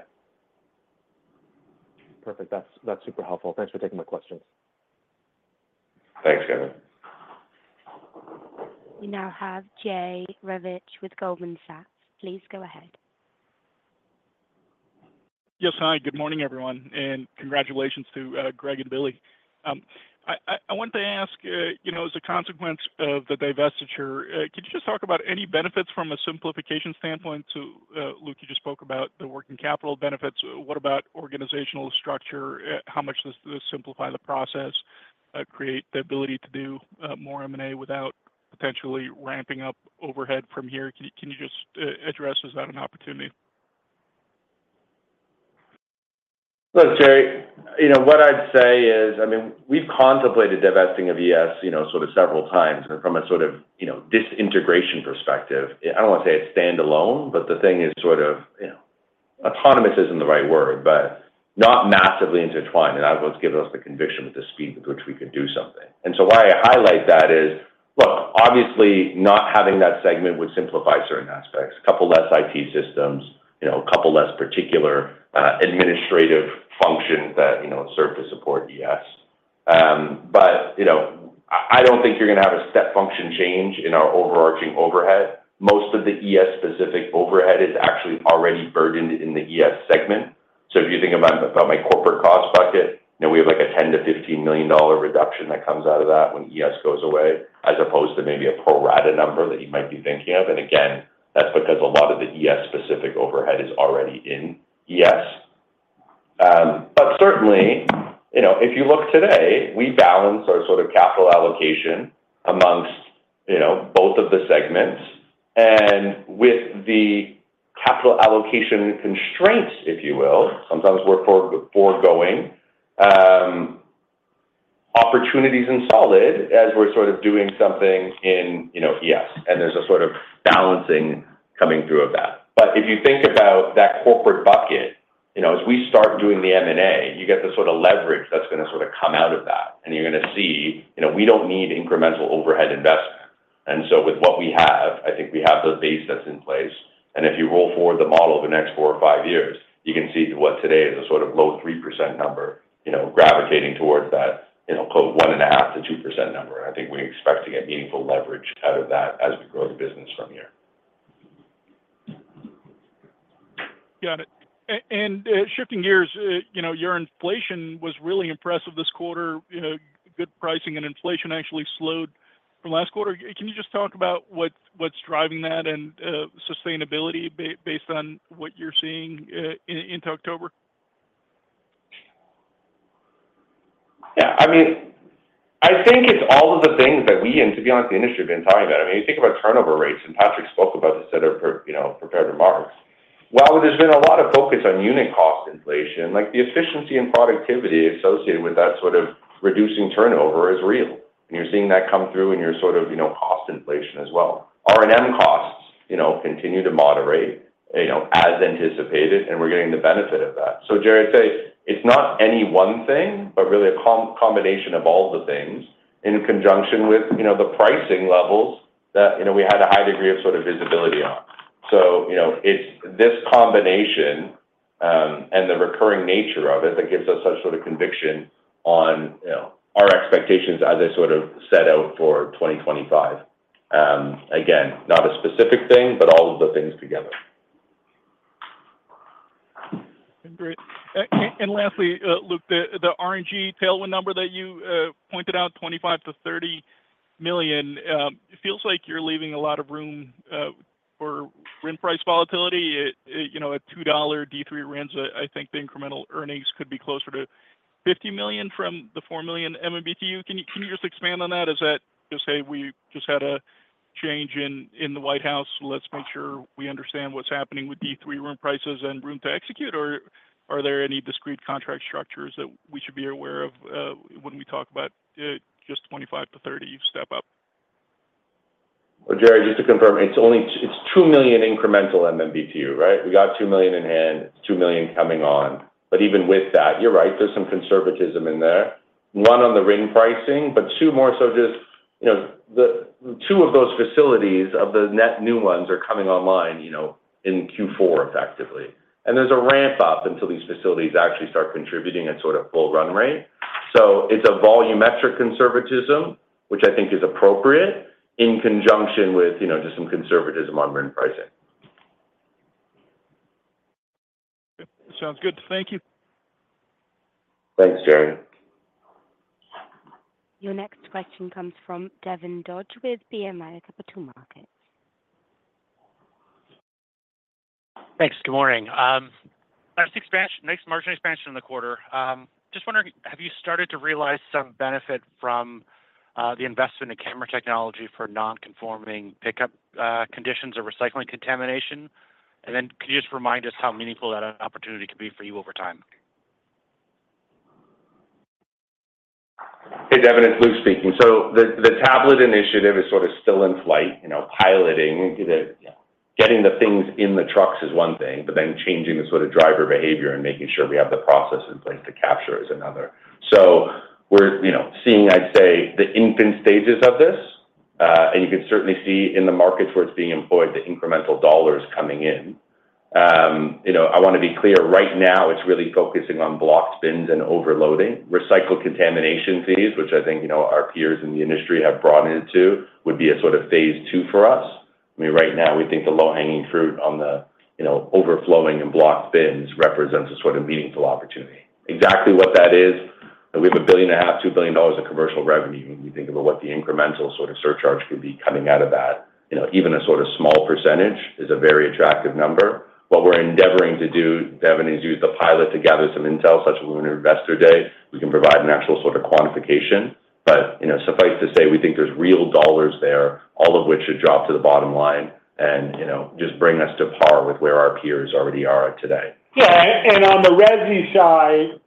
Perfect. That's super helpful. Thanks for taking my questions. Thanks, Kevin. We now have Jerry Revich with Goldman Sachs. Please go ahead. Yes, hi. Good morning, everyone, and congratulations to Greg and Billy. I wanted to ask, as a consequence of the divestiture, could you just talk about any benefits from a simplification standpoint? Luke, you just spoke about the working capital benefits. What about organizational structure? How much does this simplify the process, create the ability to do more M&A without potentially ramping up overhead from here? Can you just address is that an opportunity? Look, Jay, what I'd say is, I mean, we've contemplated divesting of ES sort of several times from a sort of de-integration perspective. I don't want to say it's standalone, but the thing is sort of autonomous isn't the right word, but not massively intertwined. And that's what gives us the conviction with the speed with which we could do something. And so why I highlight that is, look, obviously, not having that segment would simplify certain aspects. A couple less IT systems, a couple less particular administrative functions that serve to support ES. But I don't think you're going to have a step function change in our overarching overhead. Most of the ES-specific overhead is actually already burdened in the ES segment. So if you think about my corporate cost bucket, we have like a $10-$15 million reduction that comes out of that when ES goes away, as opposed to maybe a pro rata number that you might be thinking of. And again, that's because a lot of the ES-specific overhead is already in ES. But certainly, if you look today, we balance our sort of capital allocation amongst both of the segments. And with the capital allocation constraints, if you will, sometimes we're foregoing opportunities in solid as we're sort of doing something in ES. And there's a sort of balancing coming through of that. But if you think about that corporate bucket, as we start doing the M&A, you get the sort of leverage that's going to sort of come out of that. And you're going to see we don't need incremental overhead investment. And so with what we have, I think we have the base that's in place. And if you roll forward the model of the next four or five years, you can see what today is a sort of low 3% number, gravitating towards that 1.5%-2% number. I think we expect to get meaningful leverage out of that as we grow the business from here. Got it. And shifting gears, your inflation was really impressive this quarter. Good pricing and inflation actually slowed from last quarter. Can you just talk about what's driving that and sustainability based on what you're seeing into October? Yeah. I mean, I think it's all of the things that we, and to be honest, the industry has been talking about. I mean, you think about turnover rates, and Patrick spoke about this at our prepared remarks. While there's been a lot of focus on unit cost inflation, the efficiency and productivity associated with that sort of reducing turnover is real. And you're seeing that come through in your sort of cost inflation as well. R&M costs continue to moderate as anticipated, and we're getting the benefit of that. So Jerry would say it's not any one thing, but really a combination of all the things in conjunction with the pricing levels that we had a high degree of sort of visibility on. So it's this combination and the recurring nature of it that gives us such sort of conviction on our expectations as they sort of set out for 2025. Again, not a specific thing, but all of the things together. Great. And lastly, Luke, the RNG tailwind number that you pointed out, $25-$30 million, feels like you're leaving a lot of room for RIN price volatility. At $2 D3 RINs, I think the incremental earnings could be closer to $50 million from the 4 million MMBtu. Can you just expand on that? Is that to say we just had a change in the White House? Let's make sure we understand what's happening with D3 RIN prices and room to execute, or are there any discrete contract structures that we should be aware of when we talk about just $25-$30 step up? Jared, just to confirm, it's two million incremental MMBtu to you, right? We got two million in hand, two million coming on, but even with that, you're right, there's some conservatism in there. One on the RNG pricing, but two more so just two of those facilities of the net new ones are coming online in Q4 effectively, and there's a ramp up until these facilities actually start contributing at sort of full run rate, so it's a volumetric conservatism, which I think is appropriate in conjunction with just some conservatism on RNG pricing. Sounds good. Thank you Thanks, Jared. Your next question comes from Devin Dodge with BMO Capital Markets Thanks. Good morning. Next, margin expansion in the quarter. Just wondering, have you started to realize some benefit from the investment in camera technology for non-conforming pickup conditions or recycling contamination? And then can you just remind us how meaningful that opportunity could be for you over time? Hey, Devin, it's Luke speaking. The tablet initiative is sort of still in flight, piloting. Getting the things in the trucks is one thing, but then changing the sort of driver behavior and making sure we have the process in place to capture is another. We're seeing, I'd say, the infant stages of this. You can certainly see in the markets where it's being employed, the incremental dollars coming in. I want to be clear. Right now, it's really focusing on blocked bins and overloading. Recycled contamination fees, which I think our peers in the industry have broadened to, would be a sort of phase two for us. I mean, right now, we think the low-hanging fruit on the overflowing and blocked bins represents a sort of meaningful opportunity. Exactly what that is, we have $1.5 billion-$2 billion of commercial revenue. When you think about what the incremental sort of surcharge could be coming out of that, even a sort of small percentage is a very attractive number. What we're endeavoring to do, Devin, is use the pilot to gather some intel, such as an annual investor day. We can provide an actual sort of quantification. But suffice to say, we think there's real dollars there, all of which should drop to the bottom line and just bring us to par with where our peers already are today. Yeah. And on the residential side,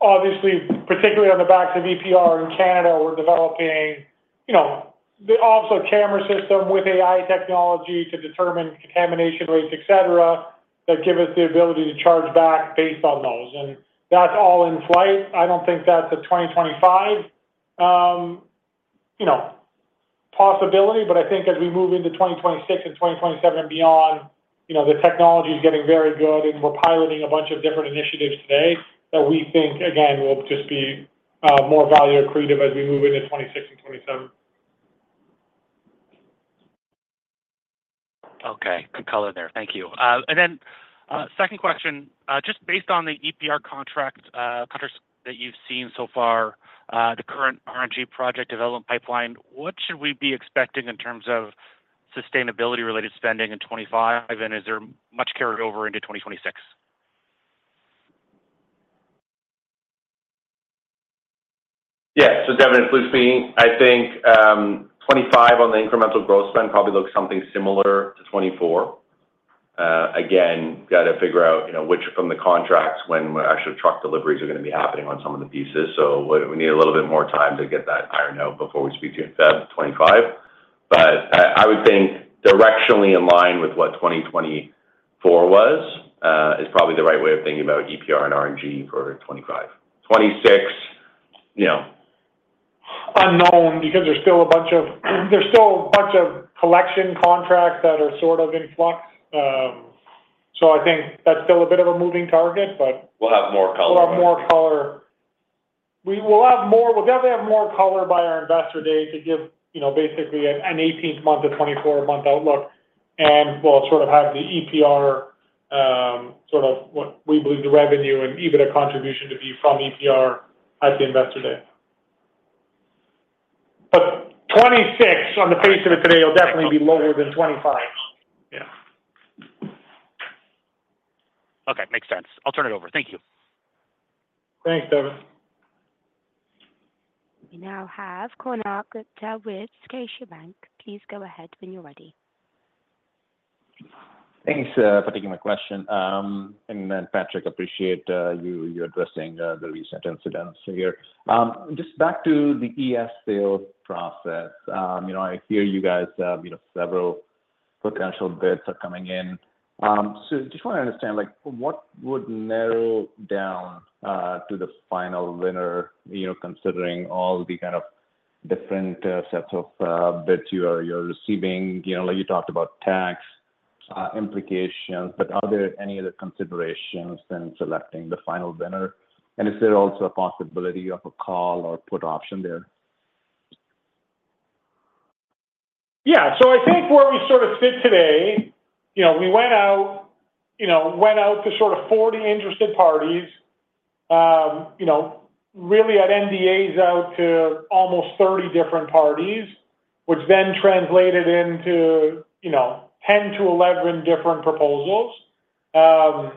obviously, particularly on the back of EPR in Canada, we're developing the on-board camera system with AI technology to determine contamination rates, etc., that give us the ability to charge back based on those. And that's all in flight. I don't think that's a 2025 possibility, but I think as we move into 2026 and 2027 and beyond, the technology is getting very good, and we're piloting a bunch of different initiatives today that we think, again, will just be more value accretive as we move into 2026 and 2027. Okay. Good color there. Thank you. And then second question, just based on the EPR contract, Patrick, that you've seen so far, the current RNG project development pipeline, what should we be expecting in terms of sustainability-related spending in 2025, and is there much carryover into 2026? Yeah. So Devin, it's Luke speaking. I think 2025 on the incremental growth spend probably looks something similar to 2024. Again, got to figure out which of the contracts when actually truck deliveries are going to be happening on some of the pieces. So we need a little bit more time to get that ironed out before we speak to you in February 2025. But I would think directionally in line with what 2024 was is probably the right way of thinking about EPR and RNG for 2025, 2026. Unknown because there's still a bunch of collection contracts that are sort of in flux. So I think that's still a bit of a moving target, but. We'll have more color. We'll have more color. We'll definitely have more color by our investor day to give basically an 18-month, a 24-month outlook, and we'll sort of have the EPR sort of what we believe the revenue and even a contribution to be from EPR at the investor day. But 2026, on the face of it today, will definitely be lower than 2025. Yeah. Okay. Makes sense. I'll turn it over. Thank you. Thanks, Devin. We now have Konark Gupta with Scotiabank. Please go ahead when you're ready. Thanks for taking my question. And then, Patrick, I appreciate you addressing the recent incidents here. Just back to the ES sales process, I hear you guys have several potential bids that are coming in. So I just want to understand, what would narrow down to the final winner, considering all the kind of different sets of bids you're receiving? You talked about tax implications, but are there any other considerations when selecting the final winner? And is there also a possibility of a call or put option there? Yeah. So I think where we sort of sit today, we went out to sort of 40 interested parties, really had NDAs out to almost 30 different parties, which then translated into 10 to 11 different proposals, all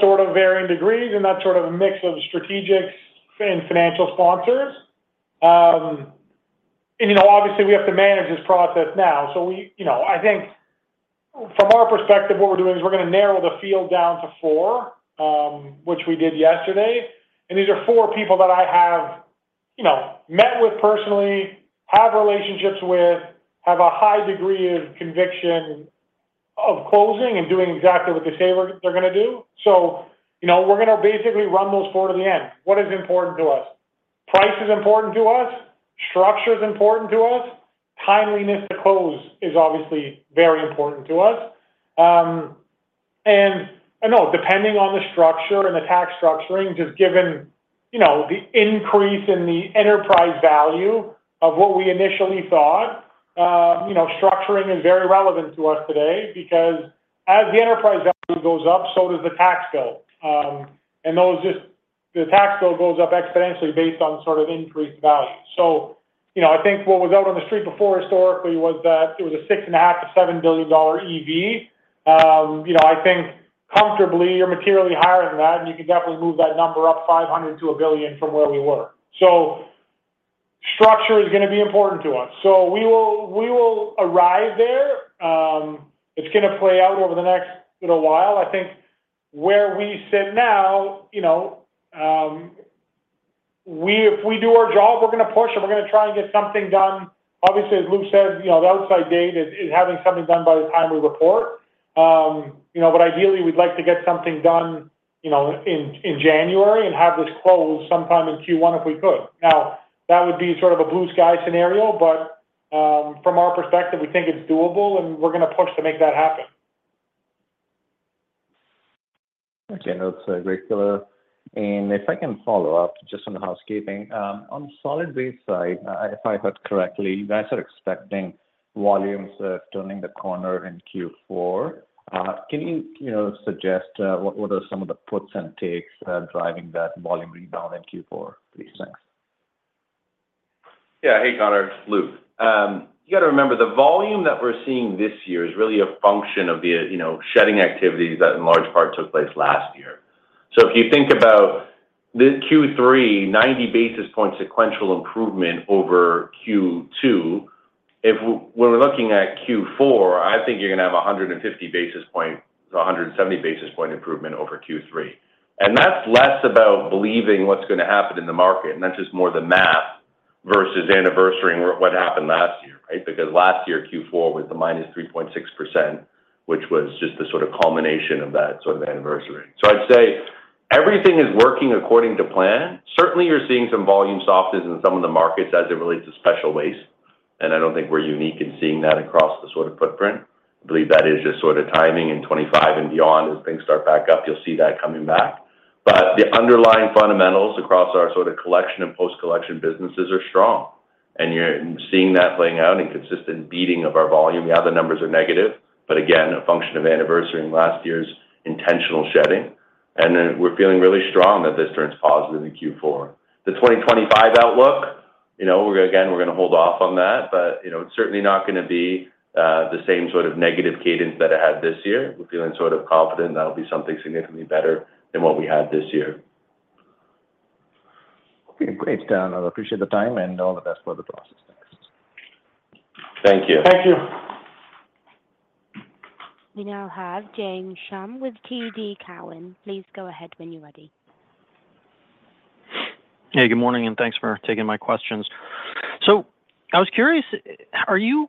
sort of varying degrees and that sort of mix of strategics and financial sponsors. And obviously, we have to manage this process now. So I think from our perspective, what we're doing is we're going to narrow the field down to four, which we did yesterday. And these are four people that I have met with personally, have relationships with, have a high degree of conviction of closing and doing exactly what they say they're going to do. So we're going to basically run those four to the end. What is important to us? Price is important to us. Structure is important to us. Timeliness to close is obviously very important to us, and I know depending on the structure and the tax structuring, just given the increase in the enterprise value of what we initially thought, structuring is very relevant to us today because as the enterprise value goes up, so does the tax bill, and the tax bill goes up exponentially based on sort of increased value, so I think what was out on the street before historically was that it was a $6.5-$7 billion EV. I think comfortably, you're materially higher than that, and you can definitely move that number up $500 million-$1 billion from where we were, so structure is going to be important to us, so we will arrive there. It's going to play out over the next little while. I think where we sit now, if we do our job, we're going to push and we're going to try and get something done. Obviously, as Luke said, the outside date is having something done by the time we report. But ideally, we'd like to get something done in January and have this close sometime in Q1 if we could. Now, that would be sort of a blue sky scenario, but from our perspective, we think it's doable, and we're going to push to make that happen. Okay. That's great, color. And if I can follow up just on housekeeping, on the solid waste side, if I heard correctly, you guys are expecting volumes to turn the corner in Q4. Can you suggest what are some of the puts and takes driving that volume rebound in Q4? These things? Yeah. Hey, konark. Luke. You got to remember the volume that we're seeing this year is really a function of the shedding activities that in large part took place last year, so if you think about Q3, 90 basis points sequential improvement over Q2, when we're looking at Q4, I think you're going to have 150 basis points, 170 basis point improvement over Q3, and that's less about believing what's going to happen in the market, and that's just more the math versus anniversary and what happened last year, right? Because last year, Q4 was the minus 3.6%, which was just the sort of culmination of that sort of anniversary, so I'd say everything is working according to plan. Certainly, you're seeing some volume softness in some of the markets as it relates to special waste, and I don't think we're unique in seeing that across the sort of footprint. I believe that is just sort of timing in 2025 and beyond as things start back up, you'll see that coming back, but the underlying fundamentals across our sort of collection and post-collection businesses are strong, and you're seeing that playing out in consistent beating of our volume. Yeah, the numbers are negative, but again, a function of anniversary and last year's intentional shedding, and we're feeling really strong that this turns positive in Q4. The 2025 outlook, again, we're going to hold off on that, but it's certainly not going to be the same sort of negative cadence that it had this year. We're feeling sort of confident that'll be something significantly better than what we had this year. Okay. Great. I appreciate the time and all the best for the process. Thanks. Thank you. Thank you. We now have James Schumm with TD Cowen. Please go ahead when you're ready. Hey, good morning, and thanks for taking my questions. So I was curious, are you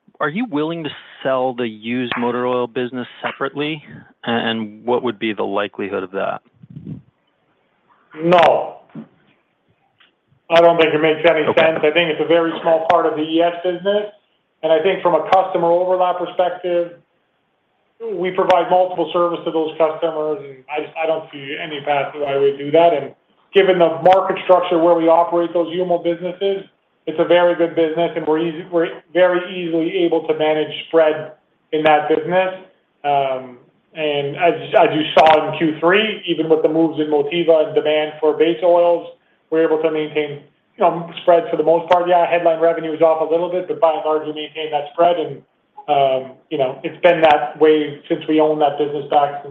willing to sell the used motor oil business separately, and what would be the likelihood of that? No. I don't think it makes any sense. I think it's a very small part of the ES business. And I don't see any pathway I would do that. And given the market structure where we operate those UMO businesses, it's a very good business, and we're very easily able to manage spread in that business. And as you saw in Q3, even with the moves in Motiva and demand for base oils, we're able to maintain spread for the most part. Yeah, headline revenue is off a little bit, but by and large, we maintain that spread. And it's been that way since we owned that business back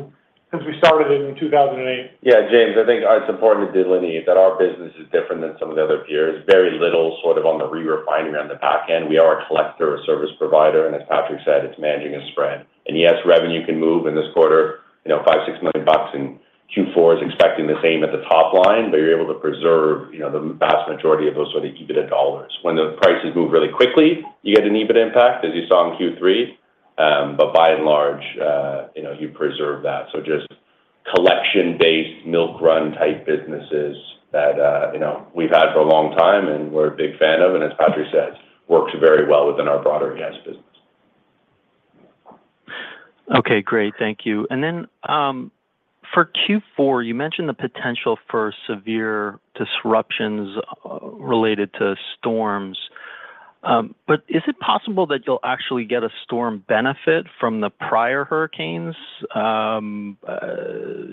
since we started it in 2008. Yeah. James, I think it's important to delineate that our business is different than some of the other peers. Very little sort of on the re-refinery on the back end. We are a collector service provider. And as Patrick said, it's managing a spread. And yes, revenue can move in this quarter, $5-6 million in Q4 expecting the same at the top line, but you're able to preserve the vast majority of those sort of EBITDA dollars. When the prices move really quickly, you get an EBITDA impact, as you saw in Q3. But by and large, you preserve that. So just collection-based milk run type businesses that we've had for a long time and we're a big fan of. And as Patrick said, works very well within our broader ES business. Okay. Great. Thank you. And then for Q4, you mentioned the potential for severe disruptions related to storms. But is it possible that you'll actually get a storm benefit from the prior hurricanes?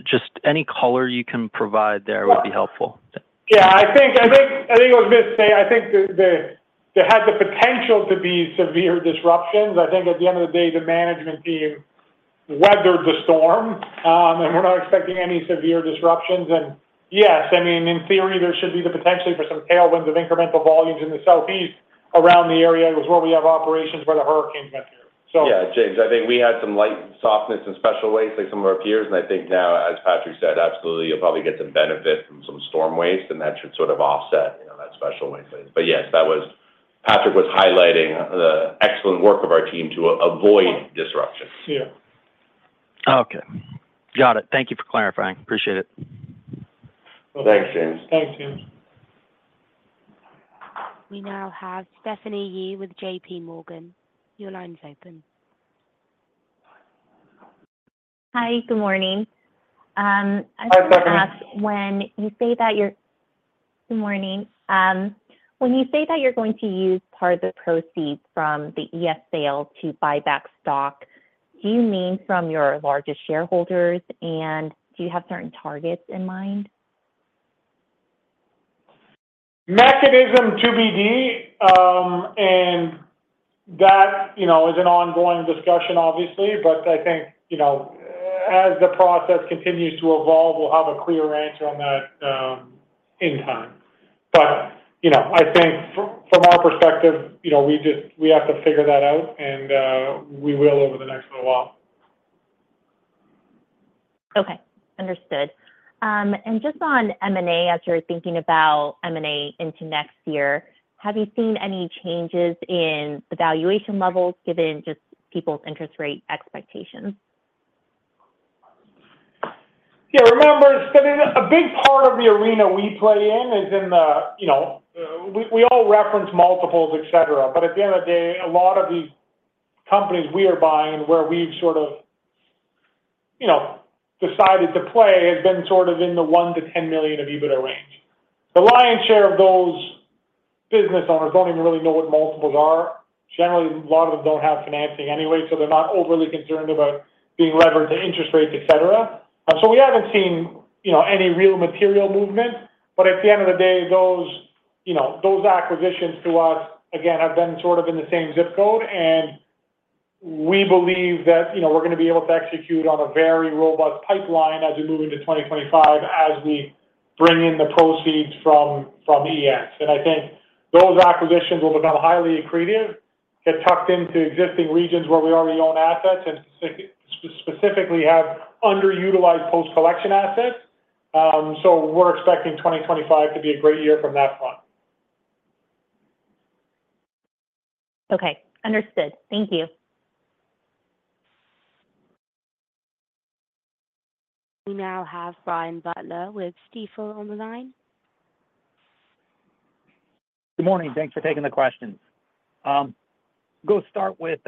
Just any color you can provide there would be helpful. Yeah. I think I was going to say, I think they had the potential to be severe disruptions. I think at the end of the day, the management team weathered the storm, and we're not expecting any severe disruptions. And yes, I mean, in theory, there should be the potential for some tailwinds of incremental volumes in the southeast around the area where we have operations where the hurricanes went through. Yeah. James, I think we had some light softness in special waste like some of our peers, and I think now, as Patrick said, absolutely, you'll probably get some benefit from some storm waste, and that should sort of offset that special waste, but yes, Patrick was highlighting the excellent work of our team to avoid disruptions. Yeah. Okay. Got it. Thank you for clarifying. Appreciate it. Thanks, James. Thanks, James. We now have Stephanie Yee with JPMorgan. Your line's open. Hi. Good morning. Hi, Stephanie. Good morning. When you say that you're going to use part of the proceeds from the ES sale to buy back stock, do you mean from your largest shareholders, and do you have certain targets in mind? Mechanism to be determined, and that is an ongoing discussion, obviously, but I think as the process continues to evolve, we'll have a clear answer on that in time, but I think from our perspective, we have to figure that out, and we will over the next little while. Okay. Understood. And just on M&A, as you're thinking about M&A into next year, have you seen any changes in valuation levels given just people's interest rate expectations? Yeah. Remember, a big part of the arena we play in is in the we all reference multiples, etc. But at the end of the day, a lot of these companies we are buying and where we've sort of decided to play has been sort of in the one to 10 million of EBITDA range. The lion's share of those business owners don't even really know what multiples are. Generally, a lot of them don't have financing anyway, so they're not overly concerned about being levered to interest rates, etc. So we haven't seen any real material movement. But at the end of the day, those acquisitions to us, again, have been sort of in the same zip code. And we believe that we're going to be able to execute on a very robust pipeline as we move into 2025 as we bring in the proceeds from ES. And I think those acquisitions will become highly accretive, get tucked into existing regions where we already own assets, and specifically have underutilized post-collection assets. So we're expecting 2025 to be a great year from that front. Okay. Understood. Thank you. We now have Brian Butler with Stifel on the line. Good morning. Thanks for taking the questions. Go start with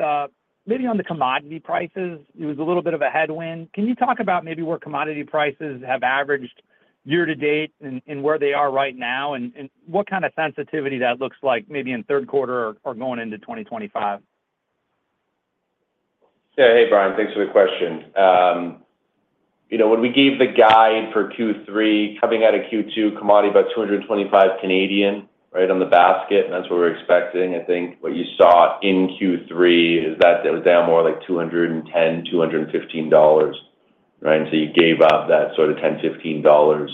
maybe on the commodity prices. It was a little bit of a headwind. Can you talk about maybe where commodity prices have averaged year to date and where they are right now, and what kind of sensitivity that looks like maybe in third quarter or going into 2025? Yeah. Hey, Brian. Thanks for the question. When we gave the guide for Q3, coming out of Q2, commodity about 225, right, on the basket, and that's what we're expecting. I think what you saw in Q3 is that it was down more like 210-215 dollars, right? And so you gave up that sort of 10-15 dollars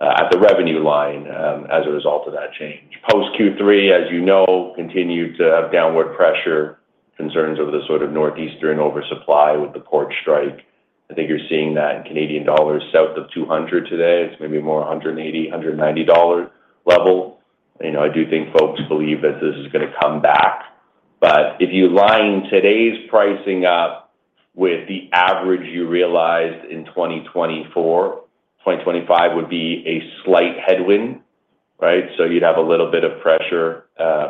at the revenue line as a result of that change. Post Q3, as you know, continued to have downward pressure, concerns over the sort of northeastern oversupply with the port strike. I think you're seeing that in Canadian dollars south of 200 today. It's maybe more 180-190 dollar level. I do think folks believe that this is going to come back. But if you line today's pricing up with the average you realized in 2024, 2025 would be a slight headwind, right? So you'd have a little bit of pressure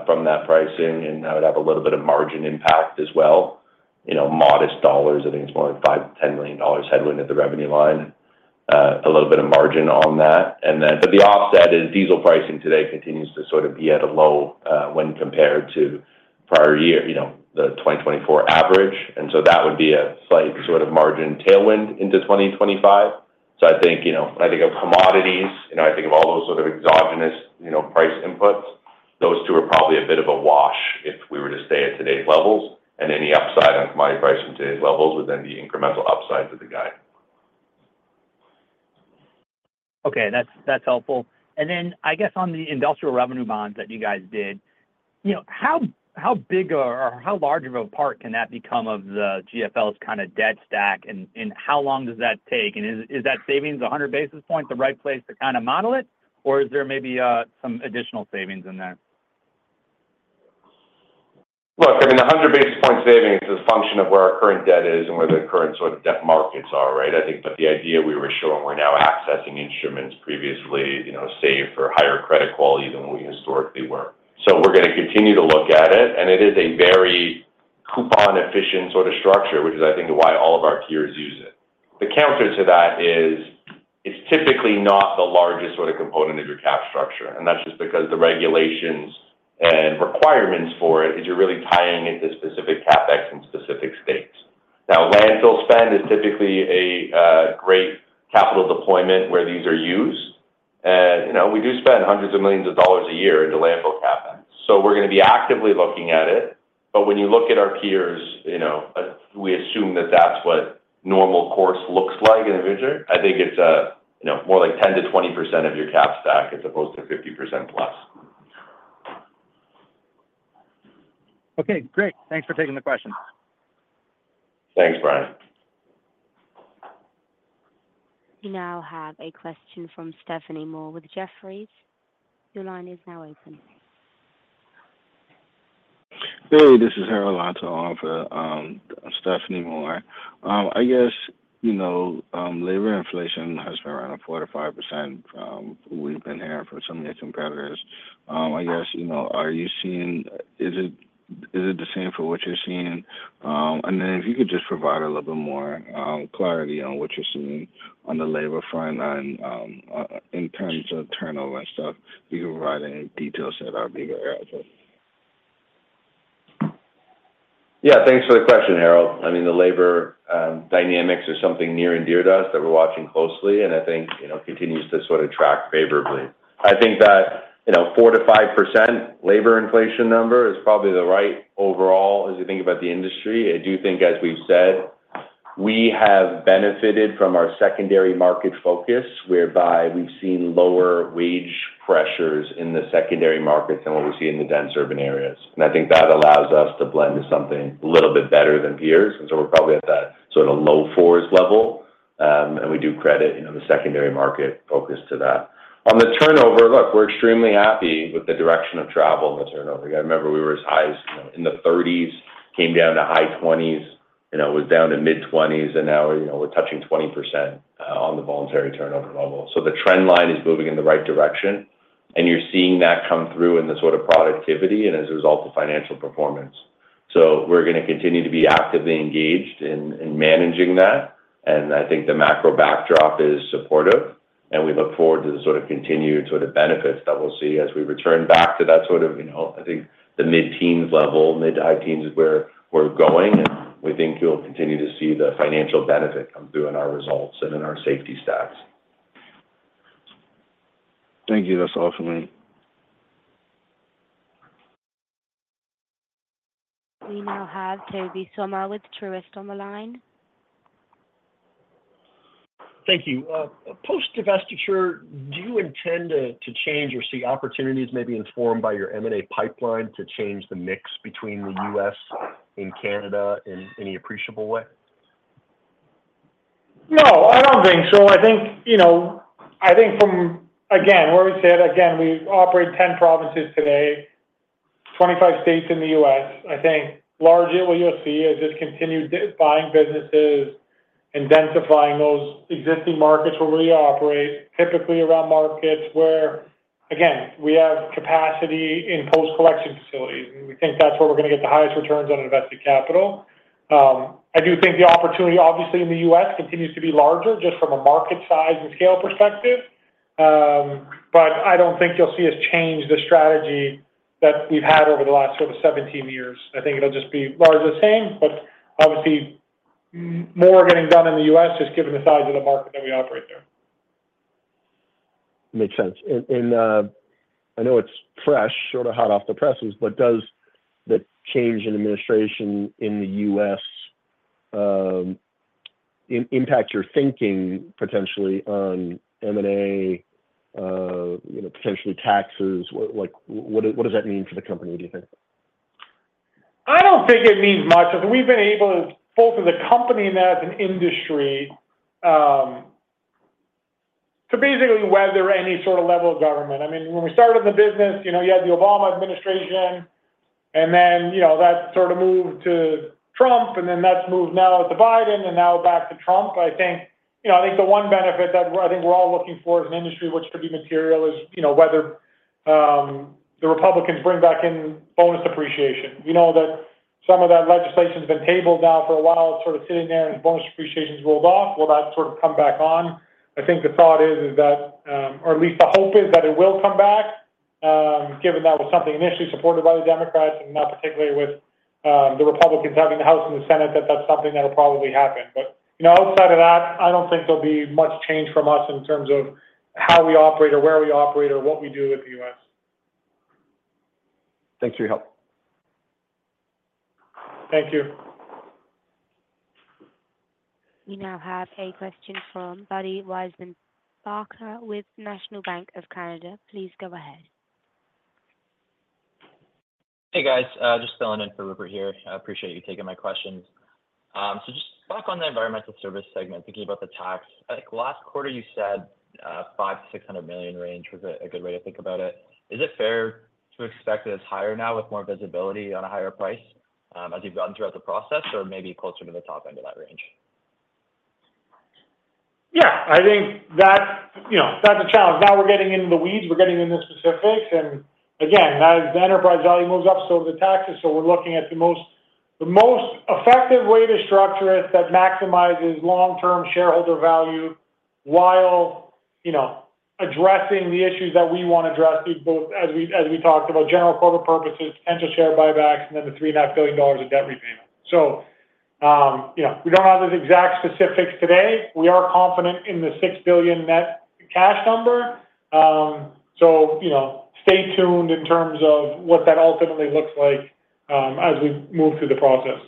from that pricing, and that would have a little bit of margin impact as well. Modest dollars, I think it's more like 5 million-10 million dollars headwind at the revenue line, a little bit of margin on that. And then the offset is diesel pricing today continues to sort of be at a low when compared to prior year, the 2024 average. And so that would be a slight sort of margin tailwind into 2025. So I think of commodities, I think of all those sort of exogenous price inputs, those two are probably a bit of a wash if we were to stay at today's levels. And any upside on commodity pricing today's levels would then be incremental upside to the guide. Okay. That's helpful. And then I guess on the Industrial Revenue Bonds that you guys did, how big or how large of a part can that become of the GFL's kind of debt stack, and how long does that take? And is that savings 100 basis point the right place to kind of model it, or is there maybe some additional savings in there? Look, I mean, the 100 basis point savings is a function of where our current debt is and where the current sort of debt markets are, right? I think that the idea we were showing we're now accessing instruments previously safe or higher credit quality than we historically were. So we're going to continue to look at it. And it is a very coupon-efficient sort of structure, which is I think why all of our peers use it. The counter to that is it's typically not the largest sort of component of your cap structure. And that's just because the regulations and requirements for it is you're really tying it to specific CapEx in specific states. Now, landfill spend is typically a great capital deployment where these are used. And we do spend hundreds of millions of dollars a year into landfill CapEx. So we're going to be actively looking at it. But when you look at our peers, we assume that that's what normal course looks like in the future. I think it's more like 10%-20% of your cap stack as opposed to 50% plus. Okay. Great. Thanks for taking the question. Thanks, Brian. We now have a question from Stephanie Moore with Jefferies. Your line is now open. Hey, this is Harold Antor for Stephanie Moore. I guess labor inflation has been around 4%-5%. We've been hearing from some of your competitors. I guess, are you seeing, is it the same for what you're seeing? And then if you could just provide a little bit more clarity on what you're seeing on the labor front and in terms of turnover and stuff, if you can provide any details that are being added. Yeah. Thanks for the question, Harold. I mean, the labor dynamics are something near and dear to us that we're watching closely, and I think continues to sort of track favorably. I think that 4%-5% labor inflation number is probably the right overall as you think about the industry. I do think, as we've said, we have benefited from our secondary market focus, whereby we've seen lower wage pressures in the secondary markets than what we see in the dense urban areas. And I think that allows us to blend into something a little bit better than peers. And so we're probably at that sort of low fours level. And we do credit the secondary market focus to that. On the turnover, look, we're extremely happy with the direction of travel in the turnover. I remember we were as high as in the 30s, came down to high 20s, was down to mid 20s, and now we're touching 20% on the voluntary turnover level. So the trend line is moving in the right direction. And you're seeing that come through in the sort of productivity and as a result of financial performance. So we're going to continue to be actively engaged in managing that. And I think the macro backdrop is supportive. And we look forward to the sort of continued sort of benefits that we'll see as we return back to that sort of, I think, the mid teens level, mid high teens where we're going. And we think you'll continue to see the financial benefit come through in our results and in our safety stats. Thank you. That's awesome. We now have Tobey Sommer with Truist on the line. Thank you. Post divestiture, do you intend to change or see opportunities maybe informed by your M&A pipeline to change the mix between the U.S. and Canada in any appreciable way? No, I don't think so. I think from, again, where we said, again, we operate 10 provinces today, 25 states in the U.S. I think largely what you'll see is just continued buying businesses and densifying those existing markets where we operate, typically around markets where, again, we have capacity in post-collection facilities. And we think that's where we're going to get the highest returns on invested capital. I do think the opportunity, obviously, in the U.S. continues to be larger just from a market size and scale perspective. But I don't think you'll see us change the strategy that we've had over the last sort of 17 years. I think it'll just be largely the same, but obviously more getting done in the U.S. just given the size of the market that we operate there. Makes sense, and I know it's fresh, sort of hot off the presses, but does the change in administration in the U.S. impact your thinking potentially on M&A, potentially taxes? What does that mean for the company, do you think? I don't think it means much. I think we've been able, both as a company and as an industry, to basically weather any sort of level of government. I mean, when we started the business, you had the Obama administration, and then that sort of moved to Trump, and then that's moved now to Biden, and now back to Trump. I think the one benefit that I think we're all looking for as an industry, which could be material, is whether the Republicans bring back in Bonus Depreciation. We know that some of that legislation has been tabled now for a while. It's sort of sitting there, and Bonus Depreciation's rolled off, well, that's sort of come back on. I think the thought is that, or at least the hope is that it will come back, given that was something initially supported by the Democrats and not particularly with the Republicans having the House and the Senate, that that's something that'll probably happen. But outside of that, I don't think there'll be much change from us in terms of how we operate or where we operate or what we do with the U.S. Thanks for your help. Thank you. We now have a question from as Wiseman-Barker with National Bank of Canada. Please go ahead. Hey, guys. Just filling in for Rupert here. I appreciate you taking my Suggested fix Yeah. I think that's a challenge. Now we're getting into the weeds. We're getting into the specifics. And again, as the enterprise value moves up, so do the taxes. So we're looking at the most effective way to structure it that maximizes long-term shareholder value while addressing the issues that we want to address, both as we talked about general corporate purposes, potential share buybacks, and then the $3.5 billion of debt repayment. So we don't have those exact specifics today. We are confident in the $6 billion net cash number. So stay tuned in terms of what that ultimately looks like as we move through the process.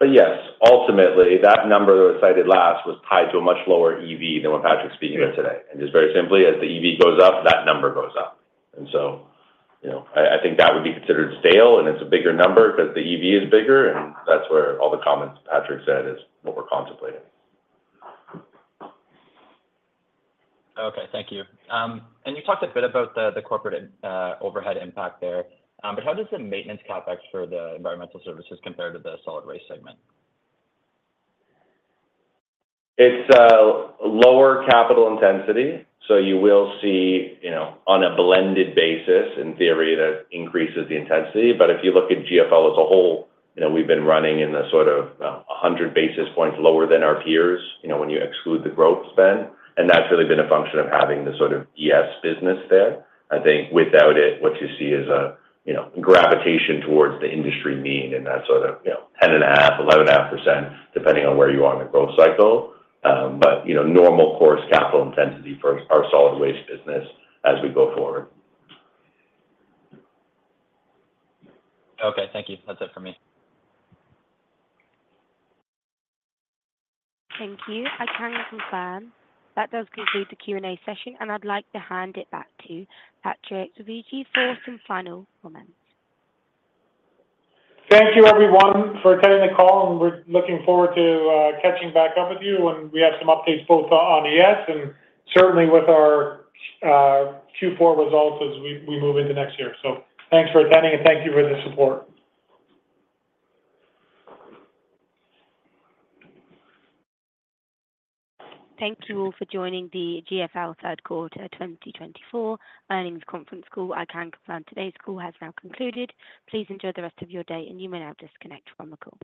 But yes, ultimately, that number that was cited last was tied to a much lower EV than what Patrick's speaking of today. And just very simply, Adi Wiseman-Barker as the EV goes up, that number goes up. And so I think that would be considered stale, and it's a bigger number because the EV is bigger. And that's where all the comments Patrick said is what we're contemplating. Suggested fix Okay. Thank you. And you talked a bit about the corporate overhead impact there. But how does the maintenance CapEx for the environmental services compare to the solid waste segment? It's lower capital intensity. So you will see on a blended basis, in theory, that increases the intensity. But if you look at GFL as a whole, we've been running in the sort of 100 basis points lower than our peers when you exclude the growth spend. And that's really been a function of having the sort of ES business there. I think without it, what you see is a gravitation towards the industry mean in that sort of 10.5%-11.5%, depending on where you are in the growth cycle. But normal course capital intensity for our solid waste business as we go forward. Okay. Thank you. That's it for me. Thank you, operator. That does conclude the Q&A session. And I'd like to hand it back to Patrick Dovigi for some final comments. Thank you, everyone, for attending the call. And we're looking forward to catching back up with you when we have some update both on ES and certainly with our Q4 results as we move into next year. So thanks for attending, and thank you for the support. Thank you all for joining the GFL Third Quarter 2024 earnings conference call. At the conclusion, today's call has now concluded. Please enjoy the rest of your day, and you may now disconnect from the call.